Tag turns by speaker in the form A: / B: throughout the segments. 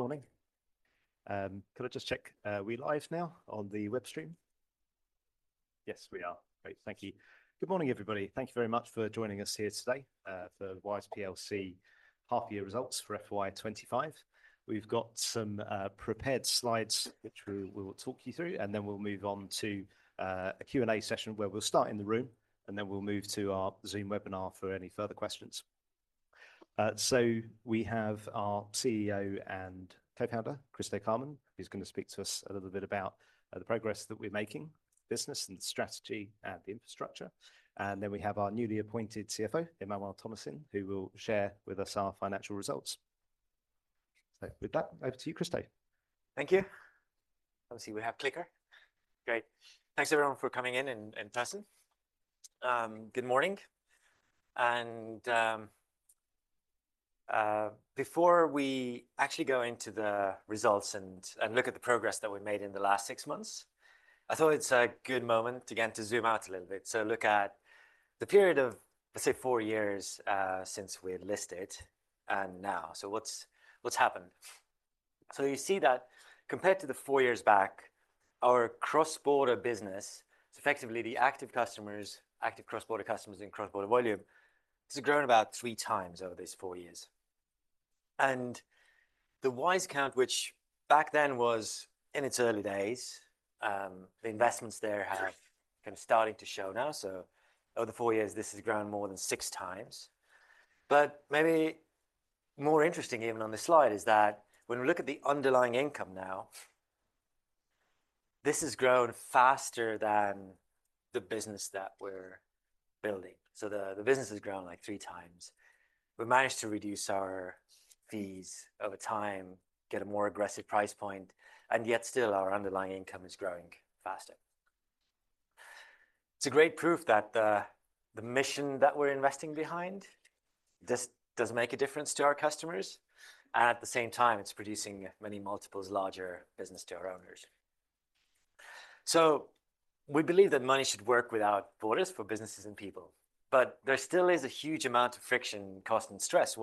A: Good morning. Could I just check? Are we live now on the web stream? Yes, we are. Great, thank you. Good morning, everybody. Thank you very much for joining us here today, for Wise PLC half-year results for FY25. We've got some prepared slides which we will talk you through, and then we'll move on to a Q&A session where we'll start in the room, and then we'll move to our Zoom webinar for any further questions. So we have our CEO and co-founder, Kristo Käärmann, who's going to speak to us a little bit about the progress that we're making, business and strategy and the infrastructure. And then we have our newly appointed CFO, Emmanuel Thomassin, who will share with us our financial results. So with that, over to you, Kristo.
B: Thank you. Let's see, we have clicker. Great. Thanks everyone for coming in in person. Good morning. Before we actually go into the results and look at the progress that we made in the last six months, I thought it's a good moment to get to zoom out a little bit. So look at the period of, let's say, four years, since we had listed and now. So what's happened? So you see that compared to the four years back, our cross-border business, so effectively the active customers, active cross-border customers in cross-border volume, has grown about three times over these four years. And the Wise Account, which back then was in its early days, the investments there have kind of started to show now. So over the four years, this has grown more than six times. But maybe more interesting, even on this slide, is that when we look at the underlying income now, this has grown faster than the business that we're building. So the business has grown like three times. We managed to reduce our fees over time, get a more aggressive price point, and yet still our underlying income is growing faster. It's a great proof that the mission that we're investing behind just does make a difference to our customers. And at the same time, it's producing many multiples larger business to our owners. So we believe that money should work without borders for businesses and people. But there still is a huge amount of friction, cost, and stress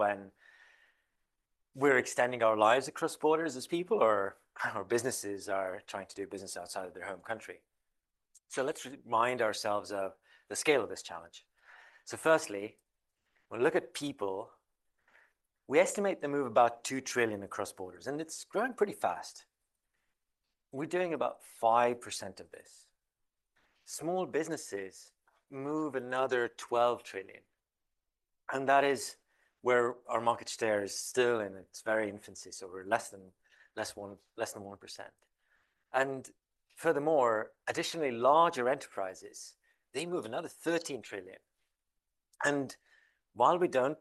B: when we're extending our lives across borders as people or our businesses are trying to do business outside of their home country. So let's remind ourselves of the scale of this challenge. So firstly, when we look at people, we estimate them move about 2 trillion across borders, and it's grown pretty fast. We're doing about 5% of this. Small businesses move another 12 trillion. And that is where our market share is still in its very infancy. So we're less than 1%. And furthermore, additionally, larger enterprises, they move another 13 trillion. And while we don't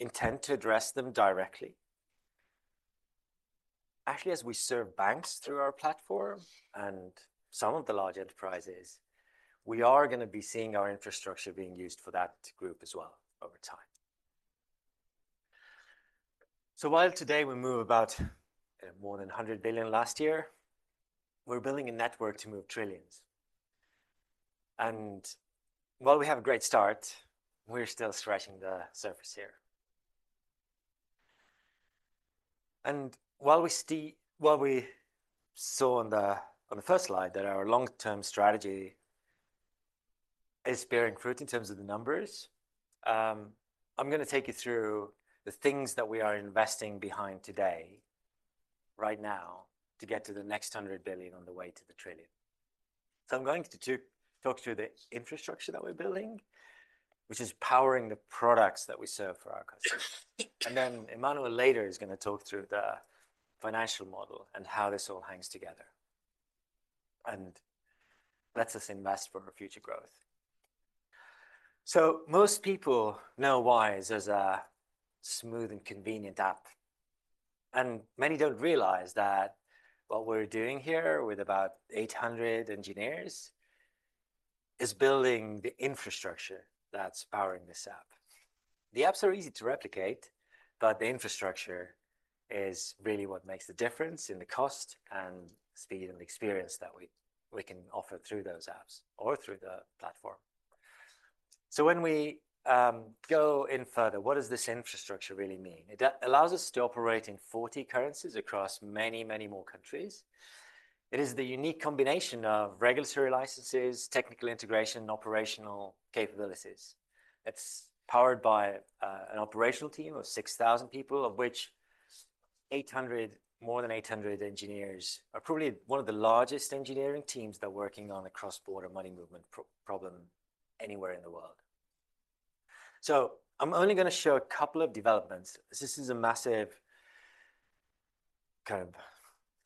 B: intend to address them directly, actually, as we serve banks through our platform and some of the large enterprises, we are going to be seeing our infrastructure being used for that group as well over time. So while today we move about more than 100 billion last year, we're building a network to move trillions. And while we have a great start, we're still scratching the surface here. While we saw on the first slide that our long-term strategy is bearing fruit in terms of the numbers, I'm going to take you through the things that we are investing behind today, right now, to get to the next 100 billion on the way to the trillion. I'm going to talk through the infrastructure that we're building, which is powering the products that we serve for our customers. Then Emmanuel later is going to talk through the financial model and how this all hangs together and lets us invest for our future growth. Most people know Wise as a smooth and convenient app. Many don't realize that what we're doing here with about 800 engineers is building the infrastructure that's powering this app. The apps are easy to replicate, but the infrastructure is really what makes the difference in the cost and speed and the experience that we can offer through those apps or through the platform. So when we go in further, what does this infrastructure really mean? It allows us to operate in 40 currencies across many, many more countries. It is the unique combination of regulatory licenses, technical integration, and operational capabilities. It's powered by an operational team of 6,000 people, of which more than 800 engineers are probably one of the largest engineering teams that are working on a cross-border money movement problem anywhere in the world. So I'm only going to show a couple of developments. This is a massive kind of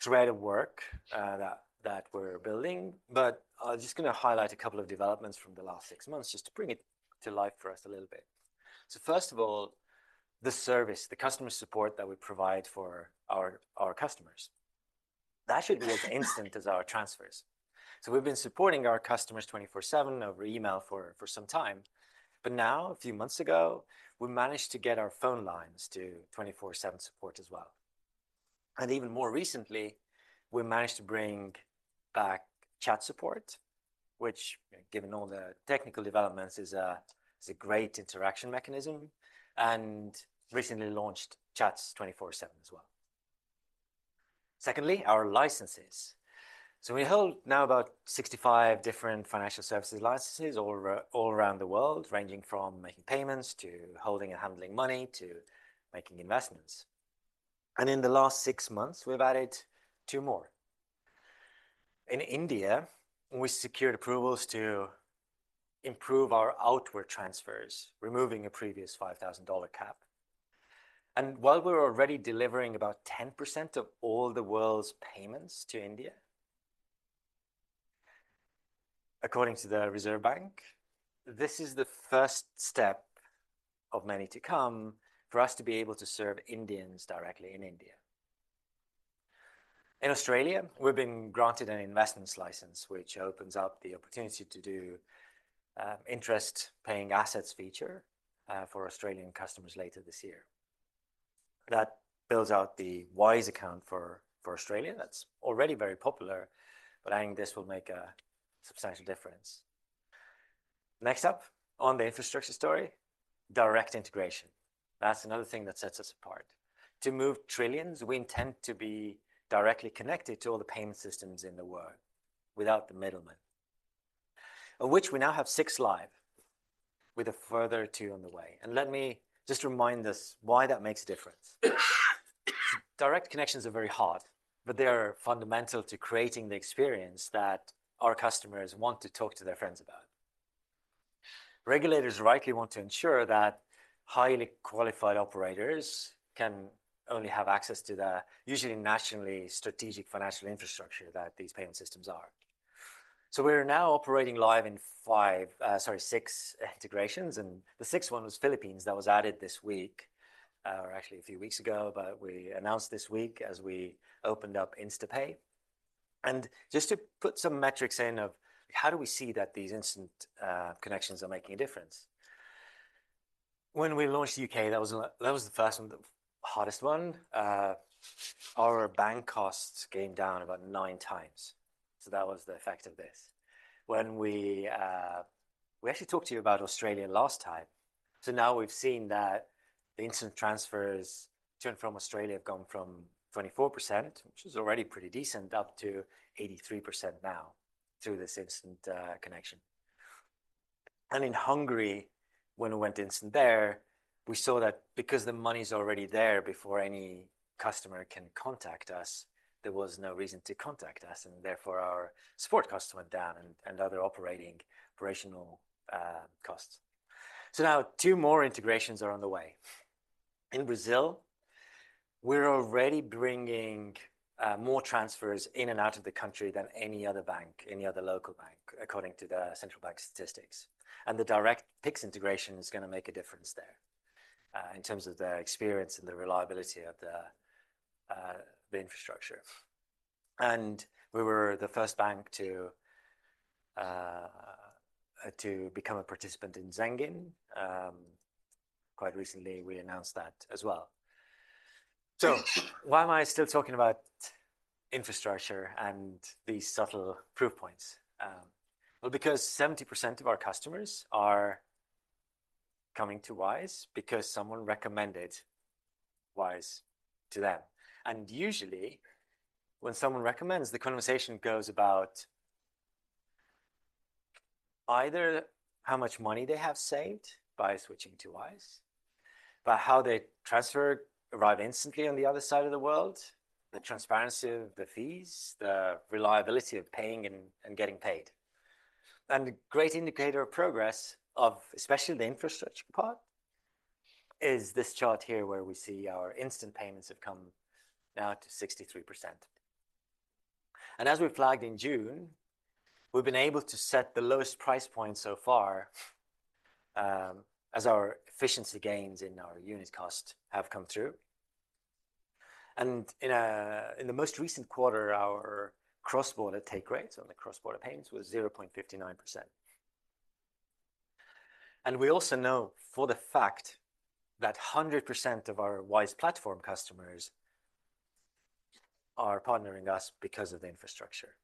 B: trail of work that we're building. I'm just going to highlight a couple of developments from the last six months just to bring it to life for us a little bit. So first of all, the service, the customer support that we provide for our customers, that should be as instant as our transfers. So we've been supporting our customers 24/7 over email for some time. But now, a few months ago, we managed to get our phone lines to 24/7 support as well. And even more recently, we managed to bring back chat support, which, given all the technical developments, is a great interaction mechanism and recently launched chat 24/7 as well. Secondly, our licenses. So we hold now about 65 different financial services licenses all around the world, ranging from making payments to holding and handling money to making investments. In the last six months, we've added two more. In India, we secured approvals to improve our outward transfers, removing a previous $5,000 cap. While we're already delivering about 10% of all the world's payments to India, according to the Reserve Bank, this is the first step of many to come for us to be able to serve Indians directly in India. In Australia, we've been granted an investment license, which opens up the opportunity to do interest-paying assets feature for Australian customers later this year. That builds out the Wise Account for Australia. That's already very popular, but I think this will make a substantial difference. Next up on the infrastructure story, direct integration. That's another thing that sets us apart. To move trillions, we intend to be directly connected to all the payment systems in the world without the middleman, of which we now have six live with a further two on the way. And let me just remind us why that makes a difference. Direct connections are very hard, but they are fundamental to creating the experience that our customers want to talk to their friends about. Regulators rightly want to ensure that highly qualified operators can only have access to the usually nationally strategic financial infrastructure that these payment systems are. So we're now operating live in five, sorry, six integrations. And the sixth one was Philippines that was added this week, or actually a few weeks ago, but we announced this week as we opened up InstaPay. And just to put some metrics in of how do we see that these instant connections are making a difference. When we launched the U.K., that was the first one, the hardest one. Our bank costs came down about nine times, that was the effect of this. When we actually talked to you about Australia last time, now we've seen that the instant transfers to and from Australia have gone from 24%, which is already pretty decent, up to 83% now through this instant connection. In Hungary, when we went instant there, we saw that because the money's already there before any customer can contact us, there was no reason to contact us. And therefore, our support costs went down and other operational costs. Now two more integrations are on the way. In Brazil, we're already bringing more transfers in and out of the country than any other bank, any other local bank, according to the central bank statistics. The direct Pix integration is going to make a difference there, in terms of the experience and the reliability of the infrastructure. We were the first bank to become a participant in Zengin. Quite recently, we announced that as well. Why am I still talking about infrastructure and these subtle proof points? Well, because 70% of our customers are coming to Wise because someone recommended Wise to them. Usually, when someone recommends, the conversation goes about either how much money they have saved by switching to Wise, about how they transfer arrive instantly on the other side of the world, the transparency of the fees, the reliability of paying and getting paid. A great indicator of progress of especially the infrastructure part is this chart here where we see our instant payments have come now to 63%. As we flagged in June, we've been able to set the lowest price point so far, as our efficiency gains in our unit cost have come through. In the most recent quarter, our cross-border take rates on the cross-border payments was 0.59%. We also know for the fact that 100% of our Wise Platform customers are partnering with us because of the infrastructure.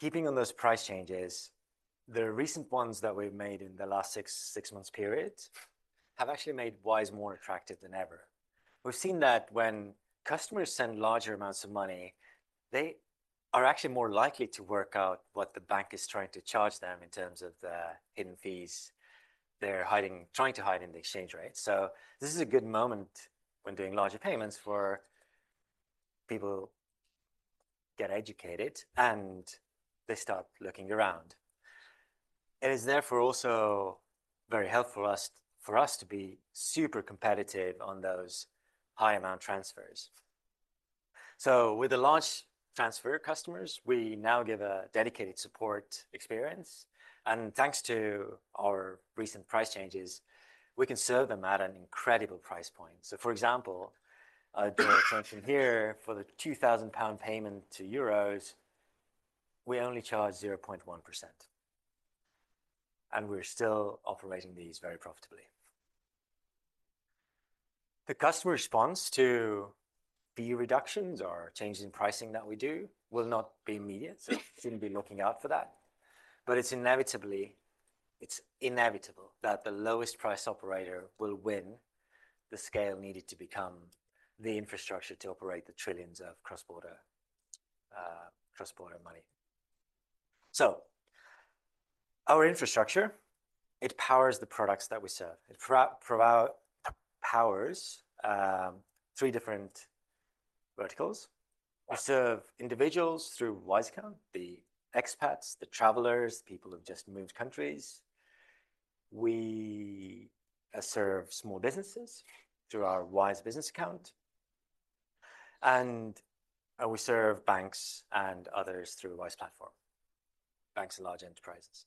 B: Keeping on those price changes, the recent ones that we've made in the last six months period have actually made Wise more attractive than ever. We've seen that when customers send larger amounts of money, they are actually more likely to work out what the bank is trying to charge them in terms of the hidden fees they're hiding, trying to hide in the exchange rate. This is a good moment when doing larger payments for people get educated and they start looking around. It is therefore also very helpful for us to be super competitive on those high amount transfers. With the large transfer customers, we now give a dedicated support experience. And thanks to our recent price changes, we can serve them at an incredible price point. For example, doing a transaction here for the 2,000 pound payment to euros, we only charge 0.1%. And we're still operating these very profitably. The customer response to fee reductions or changes in pricing that we do will not be immediate. We shouldn't be looking out for that. But it's inevitable that the lowest price operator will win the scale needed to become the infrastructure to operate the trillions of cross-border money. Our infrastructure powers the products that we serve. It powers three different verticals. We serve individuals through Wise Account, the expats, the travelers, the people who have just moved countries. We serve small businesses through our Wise Business account. We serve banks and others through Wise Platform, banks and large enterprises.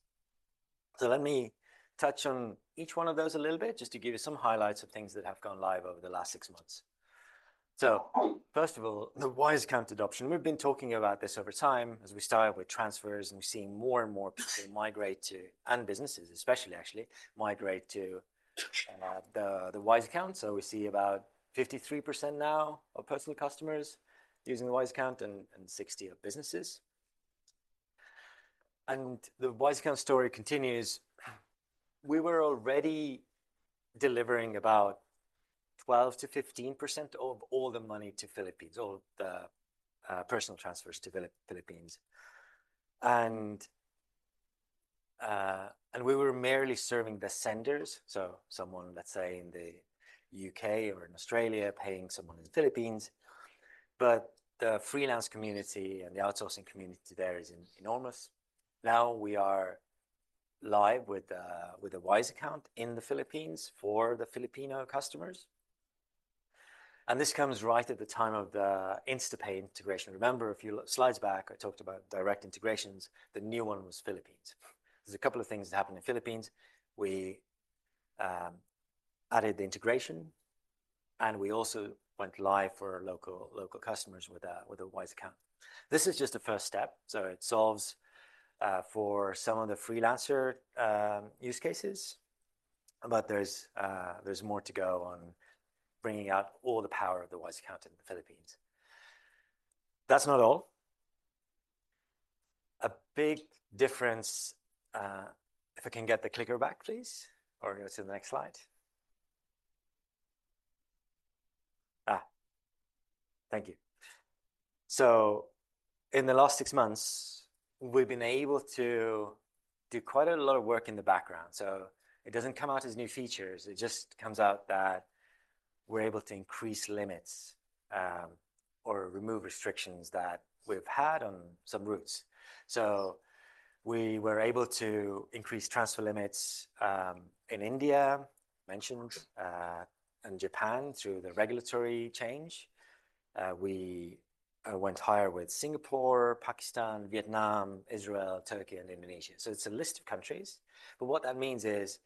B: Let me touch on each one of those a little bit just to give you some highlights of things that have gone live over the last six months. First of all, the Wise Account adoption. We've been talking about this over time as we started with transfers and we've seen more and more people migrate to, and businesses especially actually migrate to, the Wise Account. We see about 53% now of personal customers using the Wise Account and 60% of businesses. The Wise Account story continues. We were already delivering about 12%-15% of all the money to the Philippines, all the personal transfers to the Philippines, and we were merely serving the senders, so someone, let's say, in the U.K. or in Australia paying someone in the Philippines, but the freelance community and the outsourcing community there is enormous. Now we are live with a Wise Account in the Philippines for the Filipino customers, and this comes right at the time of the InstaPay integration. Remember, a few slides back, I talked about direct integrations. The new one was the Philippines. There's a couple of things that happened in the Philippines. We added the integration and we also went live for our local customers with a Wise Account. This is just a first step, so it solves for some of the freelancer use cases. But there's more to go on bringing out all the power of the Wise Account in the Philippines. That's not all. A big difference, if I can get the clicker back, please, or go to the next slide. Thank you. So in the last six months, we've been able to do quite a lot of work in the background. So it doesn't come out as new features. It just comes out that we're able to increase limits, or remove restrictions that we've had on some routes. So we were able to increase transfer limits in India, mentioned, and Japan through the regulatory change. We went higher with Singapore, Pakistan, Vietnam, Israel, Turkey, and Indonesia. So it's a list of countries. But what that means is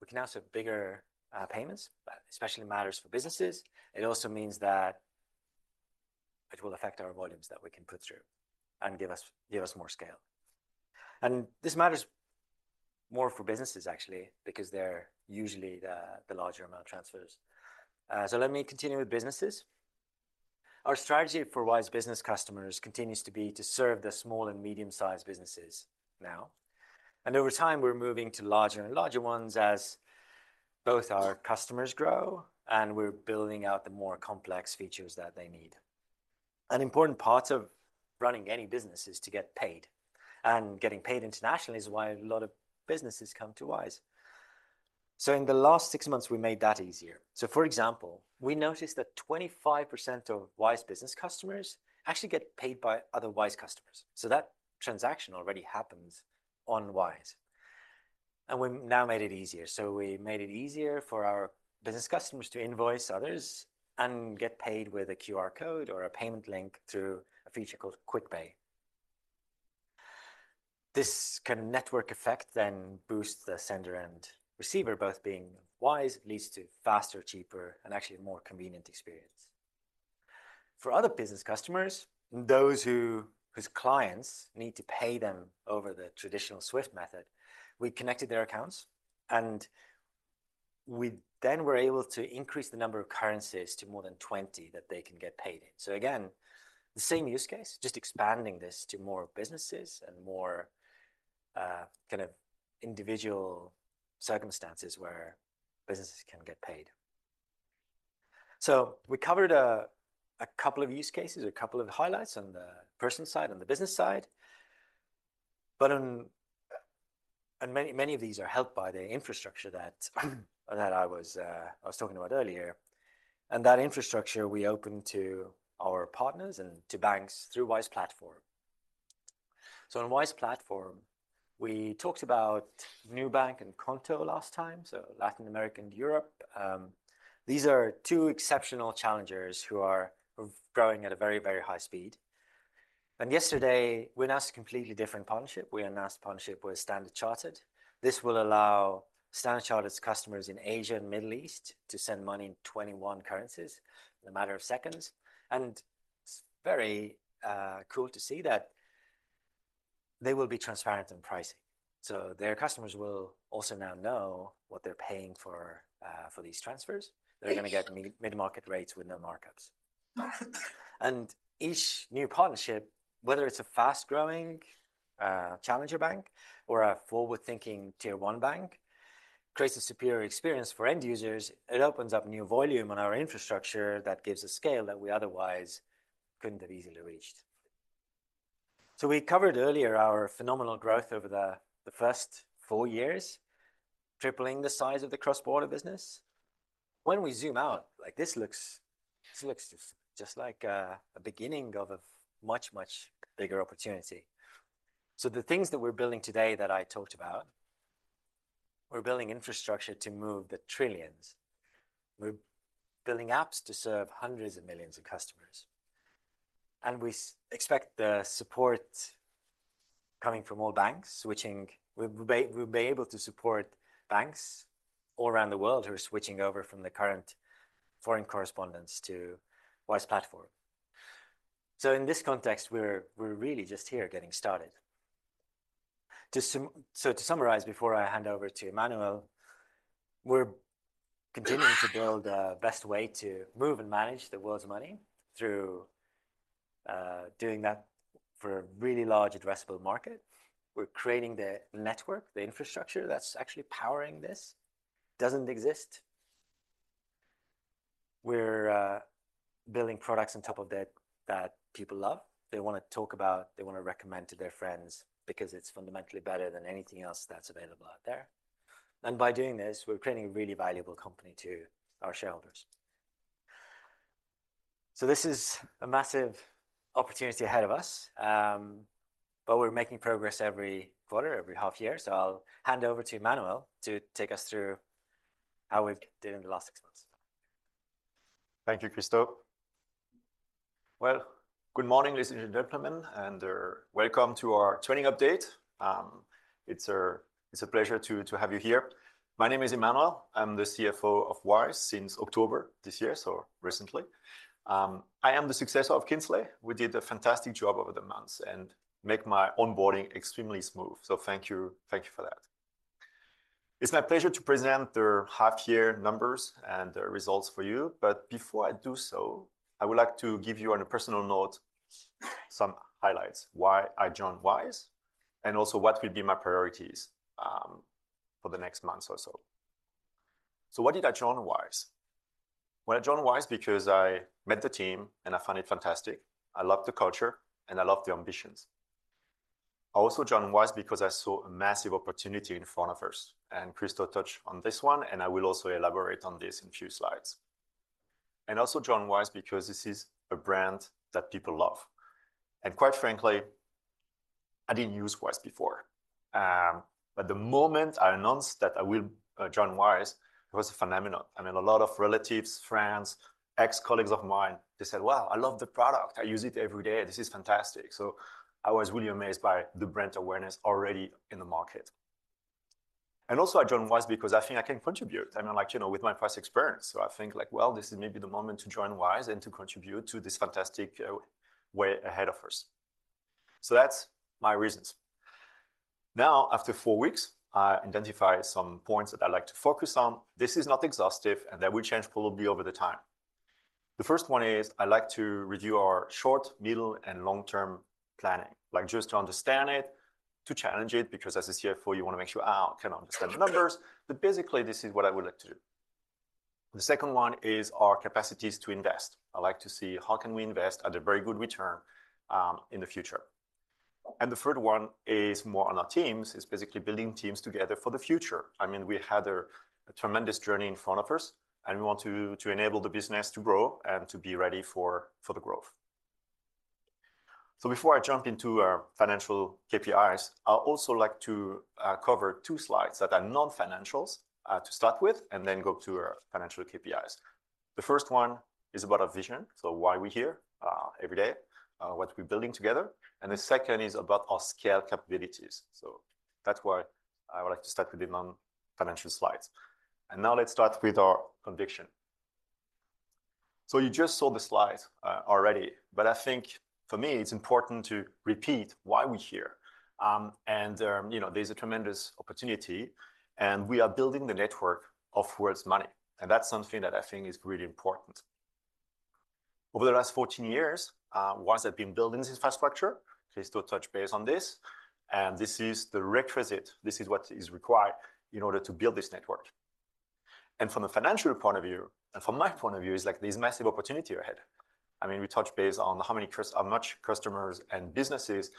B: we can now serve bigger payments, but especially matters for businesses. It also means that it will affect our volumes that we can put through and give us more scale. And this matters more for businesses, actually, because they're usually the larger amount of transfers. So let me continue with businesses. Our strategy for Wise Business customers continues to be to serve the small and medium-sized businesses now. And over time, we're moving to larger and larger ones as both our customers grow and we're building out the more complex features that they need. An important part of running any business is to get paid. And getting paid internationally is why a lot of businesses come to Wise. So in the last six months, we made that easier. So for example, we noticed that 25% of Wise Business customers actually get paid by other Wise customers. So that transaction already happens on Wise. We now made it easier. We made it easier for our business customers to invoice others and get paid with a QR code or a payment link through a feature called Quick Pay. This kind of network effect then boosts the sender and receiver, both being Wise, leads to faster, cheaper, and actually a more convenient experience. For other business customers, those whose clients need to pay them over the traditional SWIFT method, we connected their accounts and we then were able to increase the number of currencies to more than 20 that they can get paid in. Again, the same use case, just expanding this to more businesses and more, kind of individual circumstances where businesses can get paid. We covered a couple of use cases, a couple of highlights on the personal side, on the business side. Many, many of these are helped by the infrastructure that I was talking about earlier. And that infrastructure we opened to our partners and to banks through Wise Platform. So on Wise Platform, we talked about Nubank and Qonto last time. So Latin America and Europe, these are two exceptional challengers who are growing at a very, very high speed. And yesterday, we announced a completely different partnership. We announced a partnership with Standard Chartered. This will allow Standard Chartered's customers in Asia and the Middle East to send money in 21 currencies in a matter of seconds. And it's very cool to see that they will be transparent in pricing. So their customers will also now know what they're paying for these transfers. They're going to get mid-market rates with no markups. Each new partnership, whether it's a fast-growing, challenger bank or a forward-thinking tier one bank, creates a superior experience for end users. It opens up new volume on our infrastructure that gives a scale that we otherwise couldn't have easily reached. We covered earlier our phenomenal growth over the first four years, tripling the size of the cross-border business. When we zoom out, like this looks just like a beginning of a much, much bigger opportunity. The things that we're building today that I talked about, we're building infrastructure to move the trillions. We're building apps to serve hundreds of millions of customers. We expect the support coming from all banks switching. We'll be able to support banks all around the world who are switching over from the current correspondent banks to Wise Platform. So in this context, we're really just here getting started. To summarize before I hand over to Emmanuel, we're continuing to build a best way to move and manage the world's money through doing that for a really large addressable market. We're creating the network, the infrastructure that's actually powering this. Doesn't exist. We're building products on top of that that people love. They want to talk about, they want to recommend to their friends because it's fundamentally better than anything else that's available out there. And by doing this, we're creating a really valuable company to our shareholders. So this is a massive opportunity ahead of us, but we're making progress every quarter, every half year. So I'll hand over to Emmanuel to take us through how we've did in the last six months.
C: Thank you, Kristo. Good morning, ladies and gentlemen, and welcome to our trading update. It's a pleasure to have you here. My name is Emmanuel. I'm the CFO of Wise since October this year, so recently. I am the successor of Kingsley. We did a fantastic job over the months and made my onboarding extremely smooth. So thank you, thank you for that. It's my pleasure to present the half-year numbers and the results for you. But before I do so, I would like to give you on a personal note some highlights, why I joined Wise, and also what will be my priorities, for the next months or so. So why did I join Wise? I joined Wise because I met the team and I found it fantastic. I loved the culture and I loved the ambitions. I also joined Wise because I saw a massive opportunity in front of us, and Kristo touched on this one, and I will also elaborate on this in a few slides. I also joined Wise because this is a brand that people love, but the moment I announced that I will join Wise, it was a phenomenon. I mean, a lot of relatives, friends, ex-colleagues of mine, they said, "Wow, I love the product. I use it every day. This is fantastic," so I was really amazed by the brand awareness already in the market, and I also joined Wise because I think I can contribute. I mean, like, you know, with my past experience, so I think like, well, this is maybe the moment to join Wise and to contribute to this fantastic way ahead of us, so that's my reasons. Now, after four weeks, I identify some points that I'd like to focus on. This is not exhaustive and that will change probably over the time. The first one is I'd like to review our short, middle, and long-term planning, like just to understand it, to challenge it, because as a CFO, you want to make sure I can understand the numbers. But basically, this is what I would like to do. The second one is our capacities to invest. I'd like to see how can we invest at a very good return, in the future. And the third one is more on our teams. It's basically building teams together for the future. I mean, we had a tremendous journey in front of us and we want to enable the business to grow and to be ready for the growth. Before I jump into our financial KPIs, I'd also like to cover two slides that are non-financials to start with and then go to our financial KPIs. The first one is about our vision, so why we're here every day, what we're building together, and the second is about our scale capabilities, so that's why I would like to start with the non-financial slides, and now let's start with our conviction, so you just saw the slides already, but I think for me, it's important to repeat why we're here, and, you know, there's a tremendous opportunity and we are building the network for the future of money. And that's something that I think is really important. Over the last 14 years, Wise has been building this infrastructure. Kristo touched base on this, and this is the requisite. This is what is required in order to build this network. From a financial point of view, and from my point of view, it's like there's massive opportunity ahead. I mean, we touched base on how many customers and businesses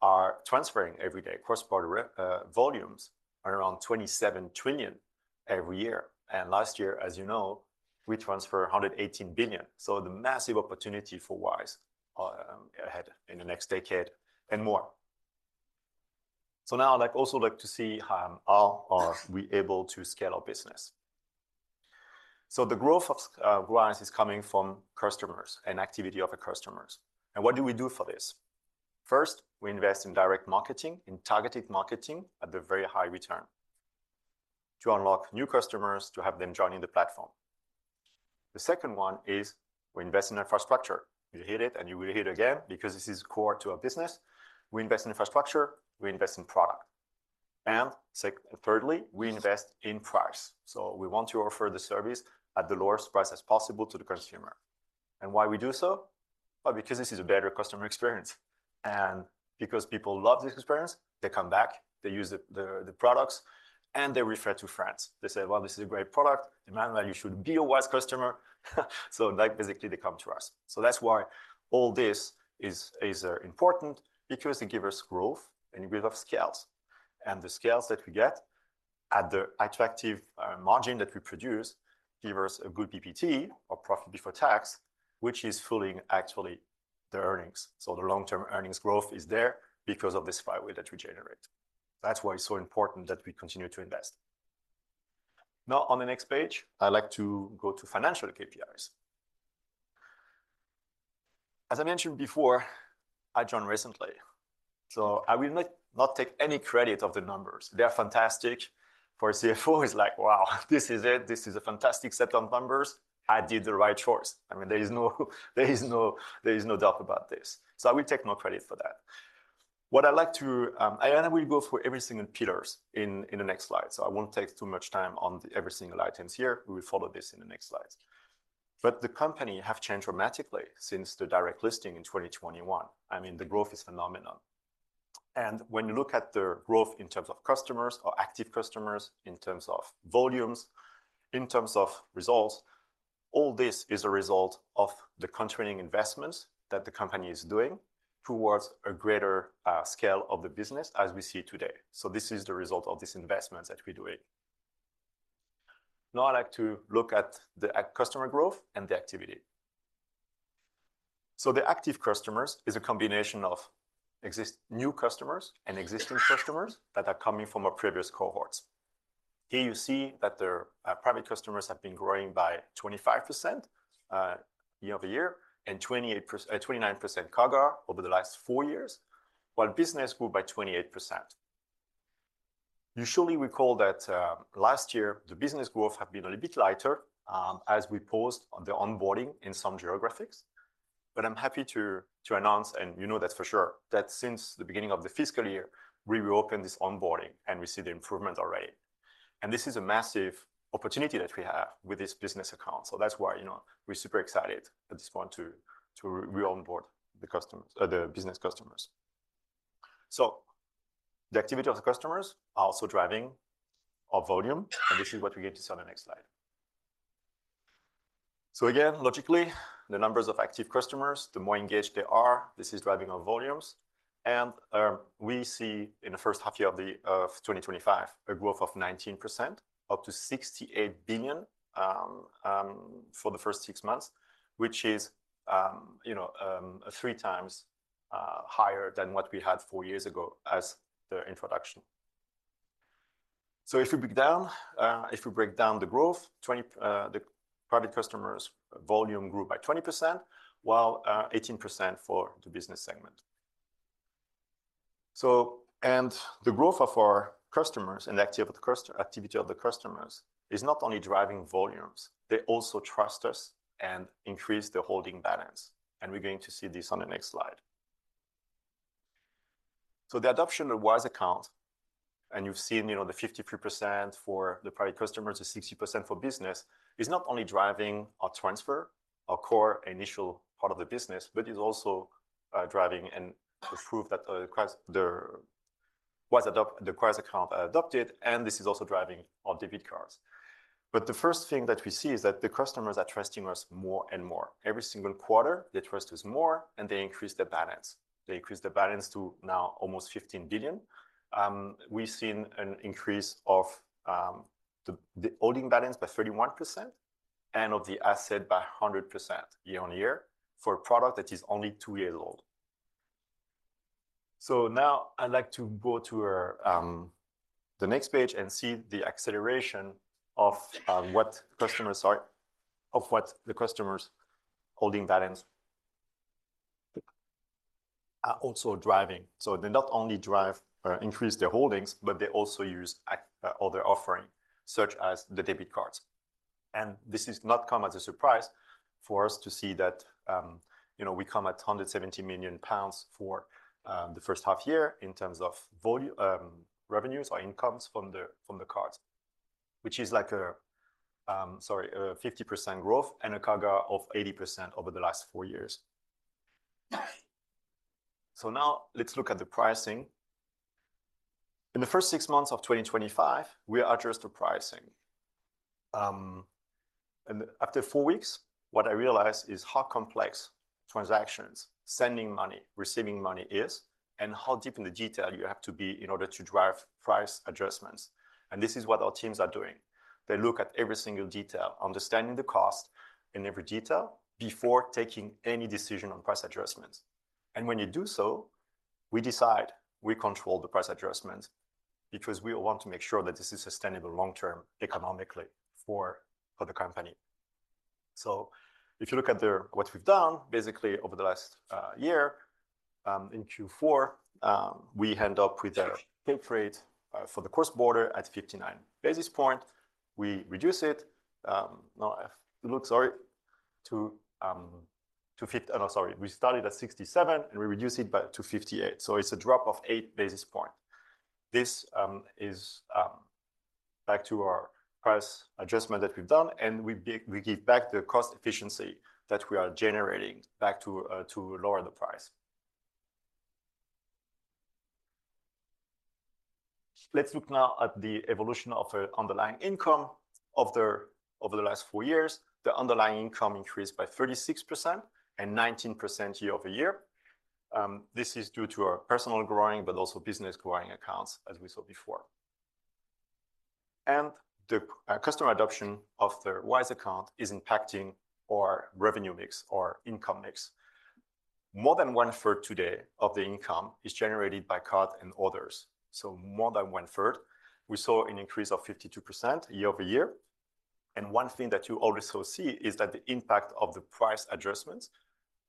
C: are transferring every day. Cross-border volumes are around $27 trillion every year. Last year, as you know, we transferred $118 billion. The massive opportunity for Wise ahead in the next decade and more. Now I'd like also to see how are we able to scale our business. The growth of Wise is coming from customers and activity of our customers. What do we do for this? First, we invest in direct marketing, in targeted marketing at a very high return to unlock new customers, to have them join in the platform. The second one is we invest in infrastructure. You hit it and you will hit it again because this is core to our business. We invest in infrastructure, we invest in product, and thirdly, we invest in price, so we want to offer the service at the lowest price as possible to the consumer, and why we do so? Well, because this is a better customer experience, and because people love this experience, they come back, they use the products and they refer to friends. They say, "Well, this is a great product, Emmanuel, you should be a Wise customer," so like basically they come to us. So that's why all this is important because it gives us growth and it gives us scales. And the scales that we get at the attractive margin that we produce gives us a good PBT or profit before tax, which is fully actually the earnings. So the long-term earnings growth is there because of this flywheel that we generate. That's why it's so important that we continue to invest. Now, on the next page, I'd like to go to financial KPIs. As I mentioned before, I joined recently. So I will not take any credit for the numbers. They're fantastic. For a CFO, it's like, "Wow, this is it. This is a fantastic set of numbers. I did the right choice." I mean, there is no doubt about this. So I will take no credit for that. What I'd like to, I will go through every single pillar in the next slide. So I won't take too much time on every single item here. We will follow this in the next slides. But the company has changed dramatically since the direct listing in 2021. I mean, the growth is phenomenal, and when you look at the growth in terms of customers or active customers, in terms of volumes, in terms of results, all this is a result of the continuing investments that the company is doing towards a greater scale of the business as we see today, so this is the result of this investment that we're doing. Now I'd like to look at the customer growth and the activity, so the active customers is a combination of existing new customers and existing customers that are coming from our previous cohorts. Here you see that the private customers have been growing by 25% year over year and 28%-29% CAGR over the last four years, while business grew by 28%. You surely recall that last year the business growth had been a little bit lighter as we paused on the onboarding in some geographies. I'm happy to announce, and you know that for sure, that since the beginning of the fiscal year, we reopened this onboarding and we see the improvement already. This is a massive opportunity that we have with this business account. That's why, you know, we're super excited at this point to re-onboard the customers, the business customers. The activity of the customers are also driving our volume. This is what we get to see on the next slide. Logically, the numbers of active customers, the more engaged they are, this is driving our volumes. We see in the first half year of 2025, a growth of 19%, up to $68 billion, for the first six months, which is, you know, three times higher than what we had four years ago as the introduction. If we break down the growth, the private customers volume grew by 20%, while 18% for the business segment. The growth of our customers and the activity of the customers is not only driving volumes, they also trust us and increase the holding balance. We are going to see this on the next slide. The adoption of Wise Account, and you have seen, you know, the 53% for the private customers, the 60% for business, is not only driving our transfers, our core initial part of the business, but it is also driving and the proof that the Wise Account adopted. This is also driving our debit cards. The first thing that we see is that the customers are trusting us more and more. Every single quarter, they trust us more and they increase the balance. They increase the balance to now almost $15 billion. We've seen an increase of the holding balance by 31% and of the asset by 100% year on year for a product that is only two years old. So now I'd like to go to the next page and see the acceleration of what customers are, of what the customers' holding balance are also driving. So they not only drive or increase their holdings, but they also use other offerings such as the debit cards. And this does not come as a surprise for us to see that, you know, we come at 170 million pounds for the first half year in terms of volume, revenues or incomes from the cards, which is like a, sorry, a 50% growth and a CAGR of 80% over the last four years. So now let's look at the pricing. In the first six months of 2025, we adjust the pricing. After four weeks, what I realized is how complex transactions, sending money, receiving money is, and how deep in the detail you have to be in order to drive price adjustments. This is what our teams are doing. They look at every single detail, understanding the cost in every detail before taking any decision on price adjustments. When you do so, we decide we control the price adjustments because we want to make sure that this is sustainable long-term economically for the company. If you look at what we've done basically over the last year, in Q4, we end up with a take rate for the cross-border at 59 basis points. We reduce it, no, look, sorry, to, to 50, no, sorry, we started at 67 and we reduce it by to 58. It's a drop of eight basis points. This is back to our price adjustment that we've done. We give back the cost efficiency that we are generating back to lower the price. Let's look now at the evolution of the underlying income over the last four years. The underlying income increased by 36% and 19% year over year. This is due to our personal growing, but also business growing accounts as we saw before. The customer adoption of the Wise Account is impacting our revenue mix or income mix. More than one third today of the income is generated by card and orders. More than one third, we saw an increase of 52% year over year. One thing that you always see is that the impact of the price adjustments,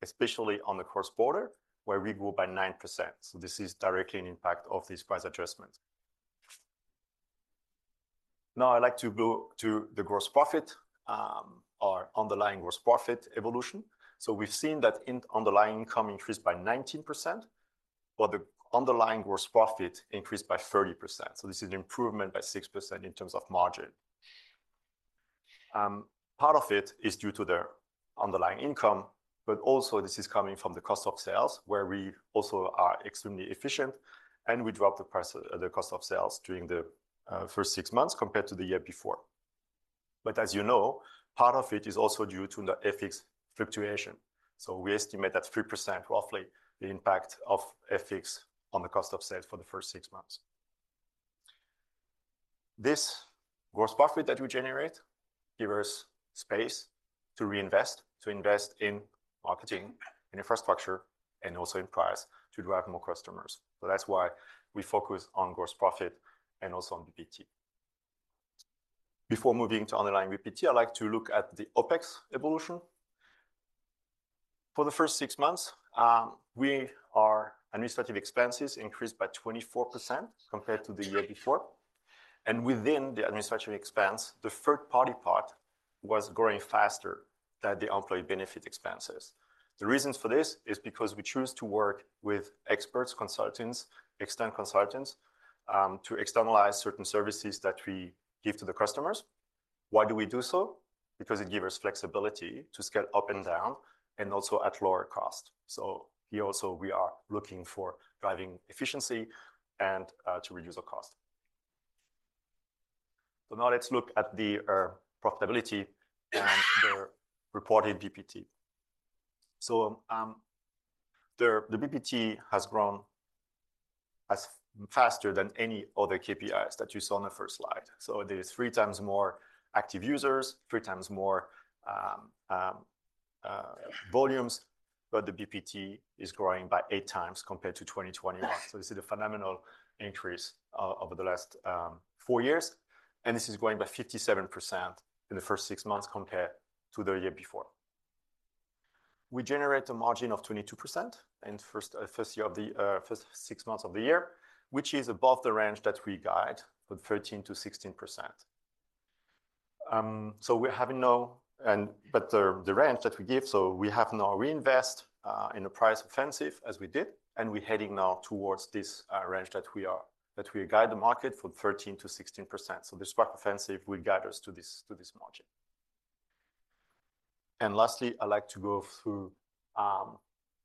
C: especially on the cross-border, where we grew by 9%. This is directly an impact of this price adjustment. Now I'd like to go to the gross profit, or underlying gross profit evolution. We've seen that underlying income increased by 19%, but the underlying gross profit increased by 30%. This is an improvement by 6% in terms of margin. Part of it is due to the underlying income, but also this is coming from the cost of sales, where we also are extremely efficient and we drop the price, the cost of sales during the first six months compared to the year before. As you know, part of it is also due to the FX fluctuation. We estimate that 3% roughly the impact of FX on the cost of sales for the first six months. This gross profit that we generate gives us space to reinvest, to invest in marketing, in infrastructure, and also in price to drive more customers, so that's why we focus on gross profit and also on PBT. Before moving to underlying PBT, I'd like to look at the OpEx evolution. For the first six months, our administrative expenses increased by 24% compared to the year before, and within the administrative expense, the third-party part was growing faster than the employee benefit expenses. The reasons for this is because we choose to work with experts, consultants, external consultants, to externalize certain services that we give to the customers. Why do we do so? Because it gives us flexibility to scale up and down and also at lower cost, so here also we are looking for driving efficiency and, to reduce the cost. So now let's look at the profitability and the reported PBT. So, the PBT has grown as faster than any other KPIs that you saw on the first slide. So there's three times more active users, three times more volumes, but the PBT is growing by eight times compared to 2021. So this is a phenomenal increase over the last four years. And this is growing by 57% in the first six months compared to the year before. We generate a margin of 22% in the first year of the first six months of the year, which is above the range that we guide for the 13%-16%. So we're having no, and but the range that we give. We have now reinvest in the price offensive as we did, and we're heading now towards this range that we guide the market for the 13%-16%. This price offensive will guide us to this margin. Lastly, I'd like to go through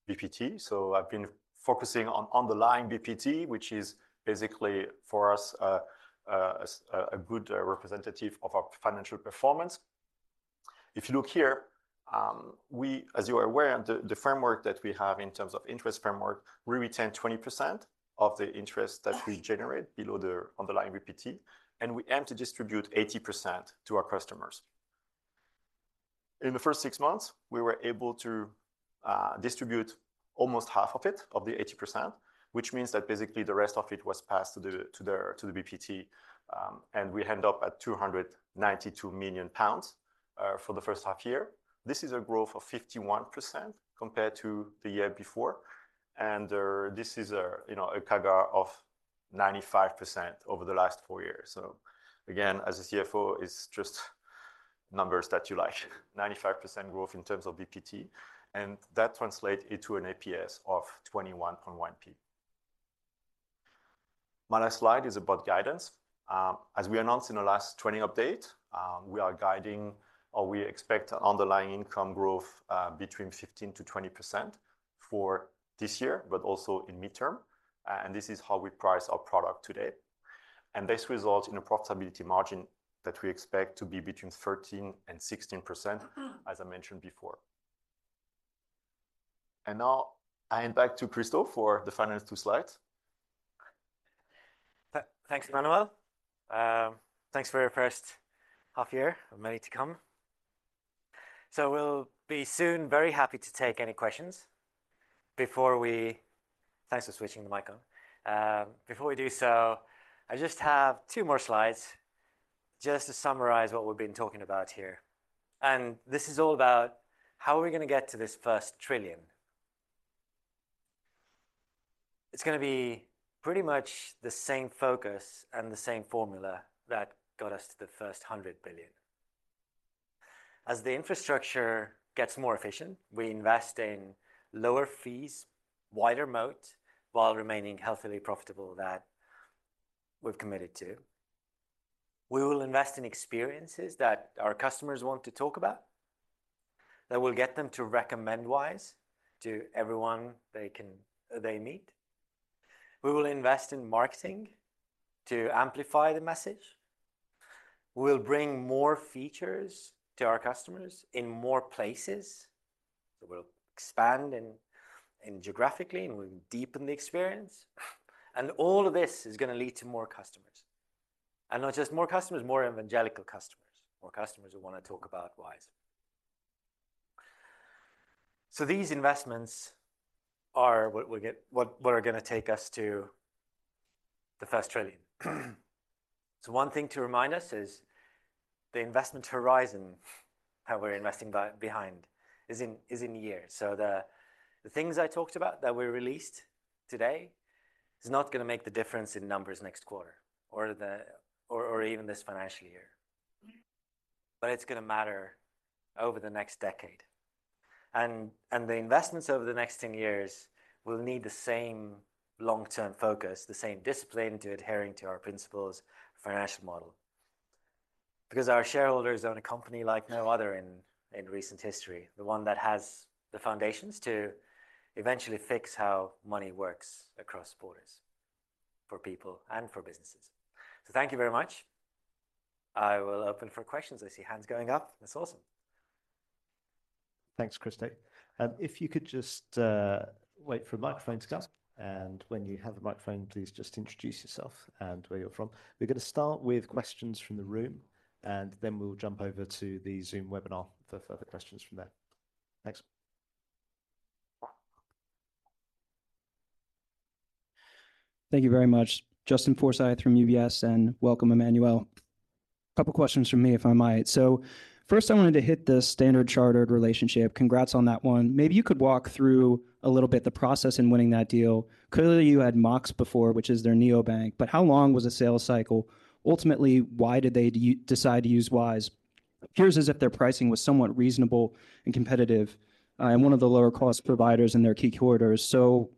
C: PBT. I've been focusing on underlying PBT, which is basically for us a good representative of our financial performance. If you look here, we, as you're aware, the framework that we have in terms of interest framework, we retain 20% of the interest that we generate below the underlying PBT, and we aim to distribute 80% to our customers. In the first six months, we were able to distribute almost half of the 80%, which means that basically the rest of it was passed to the PBT. And we end up at £292 million pounds for the first half year. This is a growth of 51% compared to the year before. And this is a, you know, a CAGR of 95% over the last four years. So again, as a CFO, it's just numbers that you like, 95% growth in terms of PBT, and that translates into an EPS of 21.1p. My last slide is about guidance. As we announced in the last 20 update, we are guiding or we expect underlying income growth between 15%-20% for this year, but also in mid-term. And this is how we price our product today. And this results in a profitability margin that we expect to be between 13%-16%, as I mentioned before. And now I hand back to Kristo for the final two slides.
B: Thanks, Emmanuel. Thanks for your first half year of many to come. So we'll be soon very happy to take any questions before we, thanks for switching the mic on. Before we do so, I just have two more slides just to summarize what we've been talking about here. And this is all about how are we going to get to this first trillion. It's going to be pretty much the same focus and the same formula that got us to the first 100 billion. As the infrastructure gets more efficient, we invest in lower fees, wider moat, while remaining healthily profitable that we've committed to. We will invest in experiences that our customers want to talk about that will get them to recommend Wise to everyone they can they meet. We will invest in marketing to amplify the message. We'll bring more features to our customers in more places. So we'll expand in geographically and we'll deepen the experience. And all of this is going to lead to more customers. And not just more customers, more evangelical customers, more customers who want to talk about Wise. So these investments are what we're getting are going to take us to the first trillion. So one thing to remind us is the investment horizon that we're investing behind is in years. So the things I talked about that were released today is not going to make the difference in numbers next quarter or even this financial year. But it's going to matter over the next decade. And the investments over the next 10 years will need the same long-term focus, the same discipline to adhering to our principles financial model. Because our shareholders own a company like no other in recent history, the one that has the foundations to eventually fix how money works across borders for people and for businesses. So thank you very much. I will open for questions. I see hands going up. That's awesome.
A: Thanks, Kristo. And if you could just wait for a microphone to come. And when you have a microphone, please just introduce yourself and where you're from. We're going to start with questions from the room, and then we'll jump over to the Zoom webinar for further questions from there. Thanks.
D: Thank you very much, Justin Forsyth from UBS, and welcome, Emmanuel. A couple of questions from me, if I might. So first, I wanted to hit the Standard Chartered relationship. Congrats on that one. Maybe you could walk through a little bit the process in winning that deal. Clearly, you had Mox before, which is their neobank, but how long was the sales cycle? Ultimately, why did they decide to use Wise? Appears as if their pricing was somewhat reasonable and competitive and one of the lower cost providers in their key quarters. So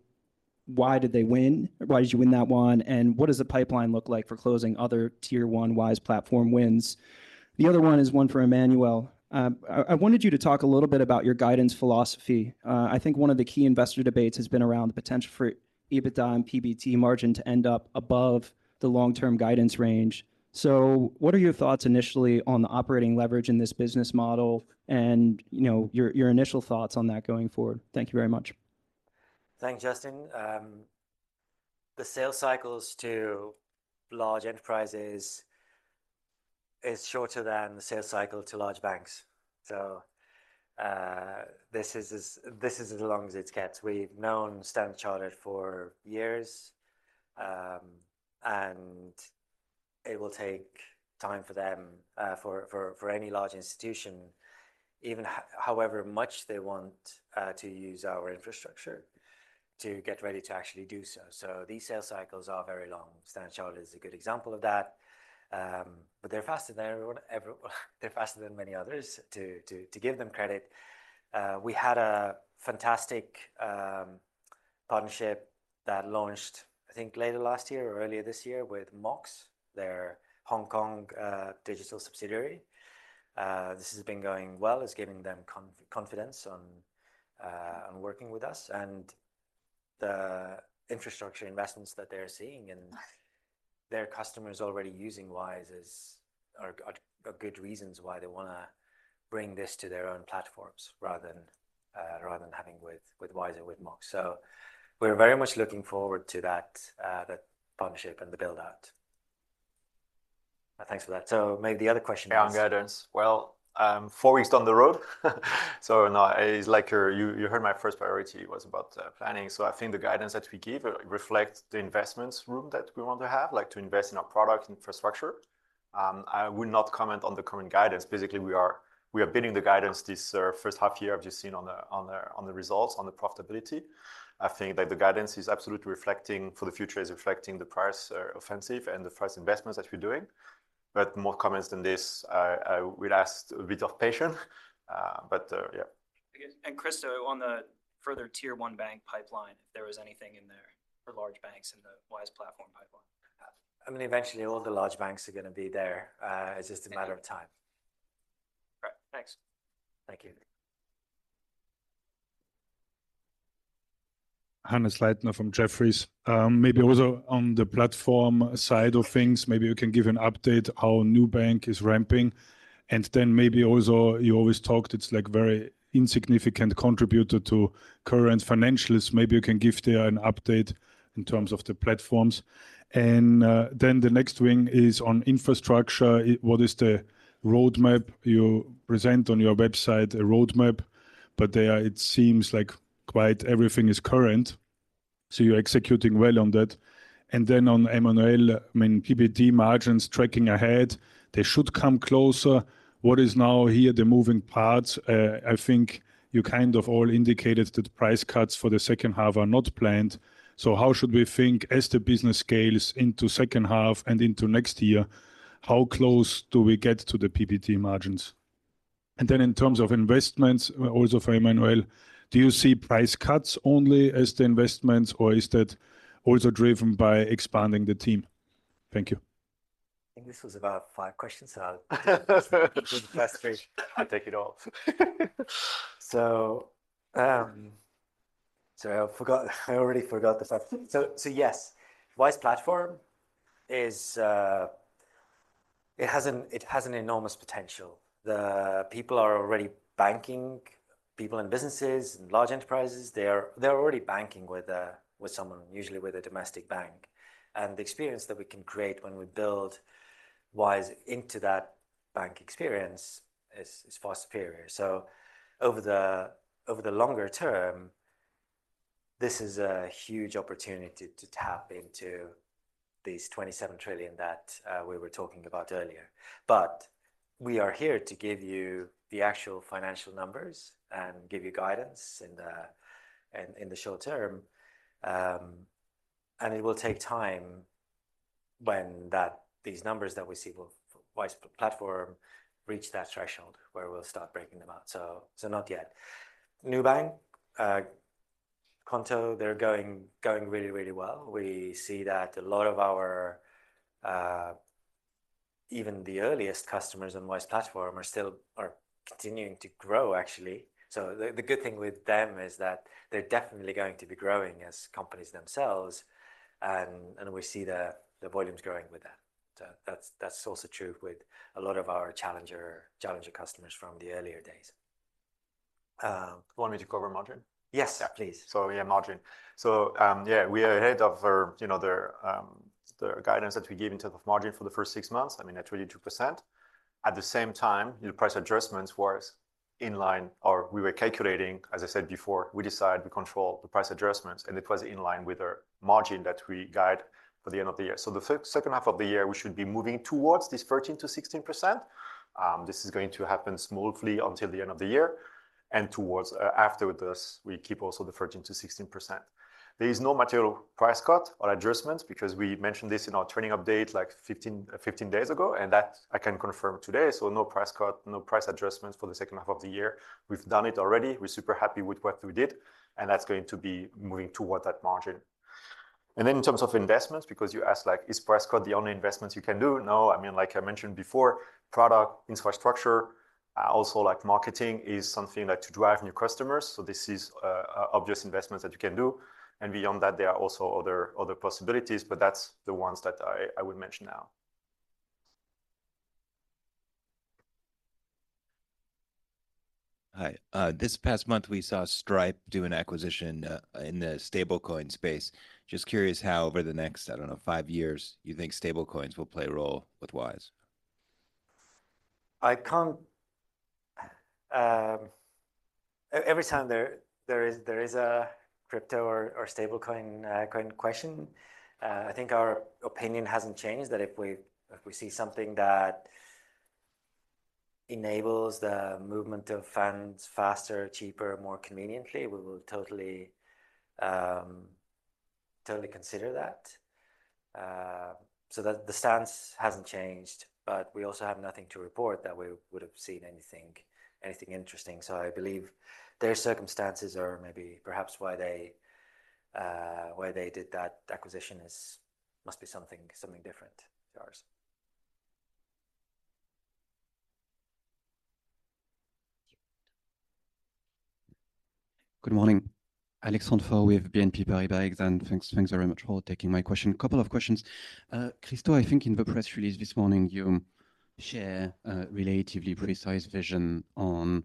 D: why did they win? Why did you win that one? And what does the pipeline look like for closing other tier one Wise Platform wins? The other one is one for Emmanuel. I wanted you to talk a little bit about your guidance philosophy. I think one of the key investor debates has been around the potential for EBITDA and PBT margin to end up above the long-term guidance range. So what are your thoughts initially on the operating leverage in this business model and, you know, your initial thoughts on that going forward? Thank you very much.
B: Thanks, Justin. The sales cycles to large enterprises is shorter than the sales cycle to large banks. So this is as long as it gets. We've known Standard Chartered for years, and it will take time for them, for any large institution, even however much they want to use our infrastructure to get ready to actually do so. So these sales cycles are very long. Standard Chartered is a good example of that. But they're faster than everyone. They're faster than many others to give them credit. We had a fantastic partnership that launched, I think, later last year or earlier this year with Mox, their Hong Kong digital subsidiary. This has been going well. It's giving them confidence on working with us and the infrastructure investments that they're seeing and their customers already using Wise are good reasons why they want to bring this to their own platforms rather than having with Wise or with Mox. So we're very much looking forward to that partnership and the build out.
D: Thanks for that. So maybe the other question was.
C: Yeah, on guidance. Well, four weeks down the road. So no, it's like you heard my first priority was about planning. So I think the guidance that we give reflects the investments room that we want to have, like to invest in our product infrastructure. I will not comment on the current guidance. Basically, we are building the guidance this first half year. I've just seen on the results, on the profitability. I think that the guidance is absolutely reflecting for the future, is reflecting the price offensive and the price investments that we're doing. But more comments than this, I would ask a bit of patience. But yeah.
D: And Kristo on the further tier one bank pipeline, if there was anything in there for large banks in the Wise Platform pipeline.
B: I mean, eventually all the large banks are going to be there. It's just a matter of time.
D: Right. Thanks.
B: Thank you.
E: Hannes Leitner from Jefferies. Maybe also on the platform side of things, maybe you can give an update how Nubank is ramping. And then maybe also you always talked, it's like very insignificant contributor to current financials. Maybe you can give there an update in terms of the platforms. And then the next thing is on infrastructure. What is the roadmap you present on your website? A roadmap, but there it seems like quite everything is current. So you're executing well on that. And then on Emmanuel, I mean, PBT margins tracking ahead, they should come closer. What is now here the moving parts? I think you kind of all indicated that price cuts for the second half are not planned. So how should we think as the business scales into second half and into next year, how close do we get to the PBT margins? And then in terms of investments, also for Emmanuel, do you see price cuts only as the investments or is that also driven by expanding the team? Thank you.
B: And this was about five questions. So I'll do the first three. I'll take it all. So I forgot, I already forgot the first. So yes, Wise Platform is, it has an enormous potential. The people are already banking, people in businesses and large enterprises, they are already banking with someone, usually with a domestic bank, and the experience that we can create when we build Wise into that bank experience is far superior, so over the longer term, this is a huge opportunity to tap into these 27 trillion that we were talking about earlier, but we are here to give you the actual financial numbers and give you guidance in the short term, and it will take time when these numbers that we see for Wise Platform reach that threshold where we'll start breaking them out, so not yet. Nubank, Qonto, they're going really, really well. We see that a lot of our even the earliest customers on Wise Platform are still continuing to grow, actually. So the good thing with them is that they're definitely going to be growing as companies themselves. And we see the volumes growing with that. So that's also true with a lot of our Challenger customers from the earlier days.
C: Want me to cover margin?
B: Yes, please.
C: So yeah, margin. So yeah, we are ahead of our, you know, the guidance that we gave in terms of margin for the first six months. I mean, that's really 2%. At the same time, the price adjustments were in line, or we were calculating, as I said before, we decide we control the price adjustments, and it was in line with our margin that we guide for the end of the year. So the second half of the year, we should be moving towards this 13%-16%. This is going to happen smoothly until the end of the year. And towards after this, we keep also the 13%-16%. There is no material price cut or adjustments because we mentioned this in our trading update like 15 days ago, and that I can confirm today. So no price cut, no price adjustments for the second half of the year. We've done it already. We're super happy with what we did, and that's going to be moving toward that margin. And then in terms of investments, because you asked like, is price cut the only investments you can do? No, I mean, like I mentioned before, product infrastructure, also like marketing is something that to drive new customers. So this is obvious investments that you can do. And beyond that, there are also other possibilities, but that's the ones that I would mention now.
E: Hi, This past month, we saw Stripe do an acquisition in the stablecoin space. Just curious how over the next, I don't know, five years, you think stablecoins will play a role with Wise?
B: I can't. Every time there is a crypto or stablecoin question, I think our opinion hasn't changed that if we see something that enables the movement of funds faster, cheaper, more conveniently, we will totally consider that. So that the stance hasn't changed, but we also have nothing to report that we would have seen anything interesting. So I believe their circumstances are maybe perhaps why they did that acquisition is must be something different to ours.
F: Good morning. Alexandre Faure with BNP Paribas Exane. Thanks very much for taking my question. Couple of questions. Kristo, I think in the press release this morning, you share a relatively precise vision on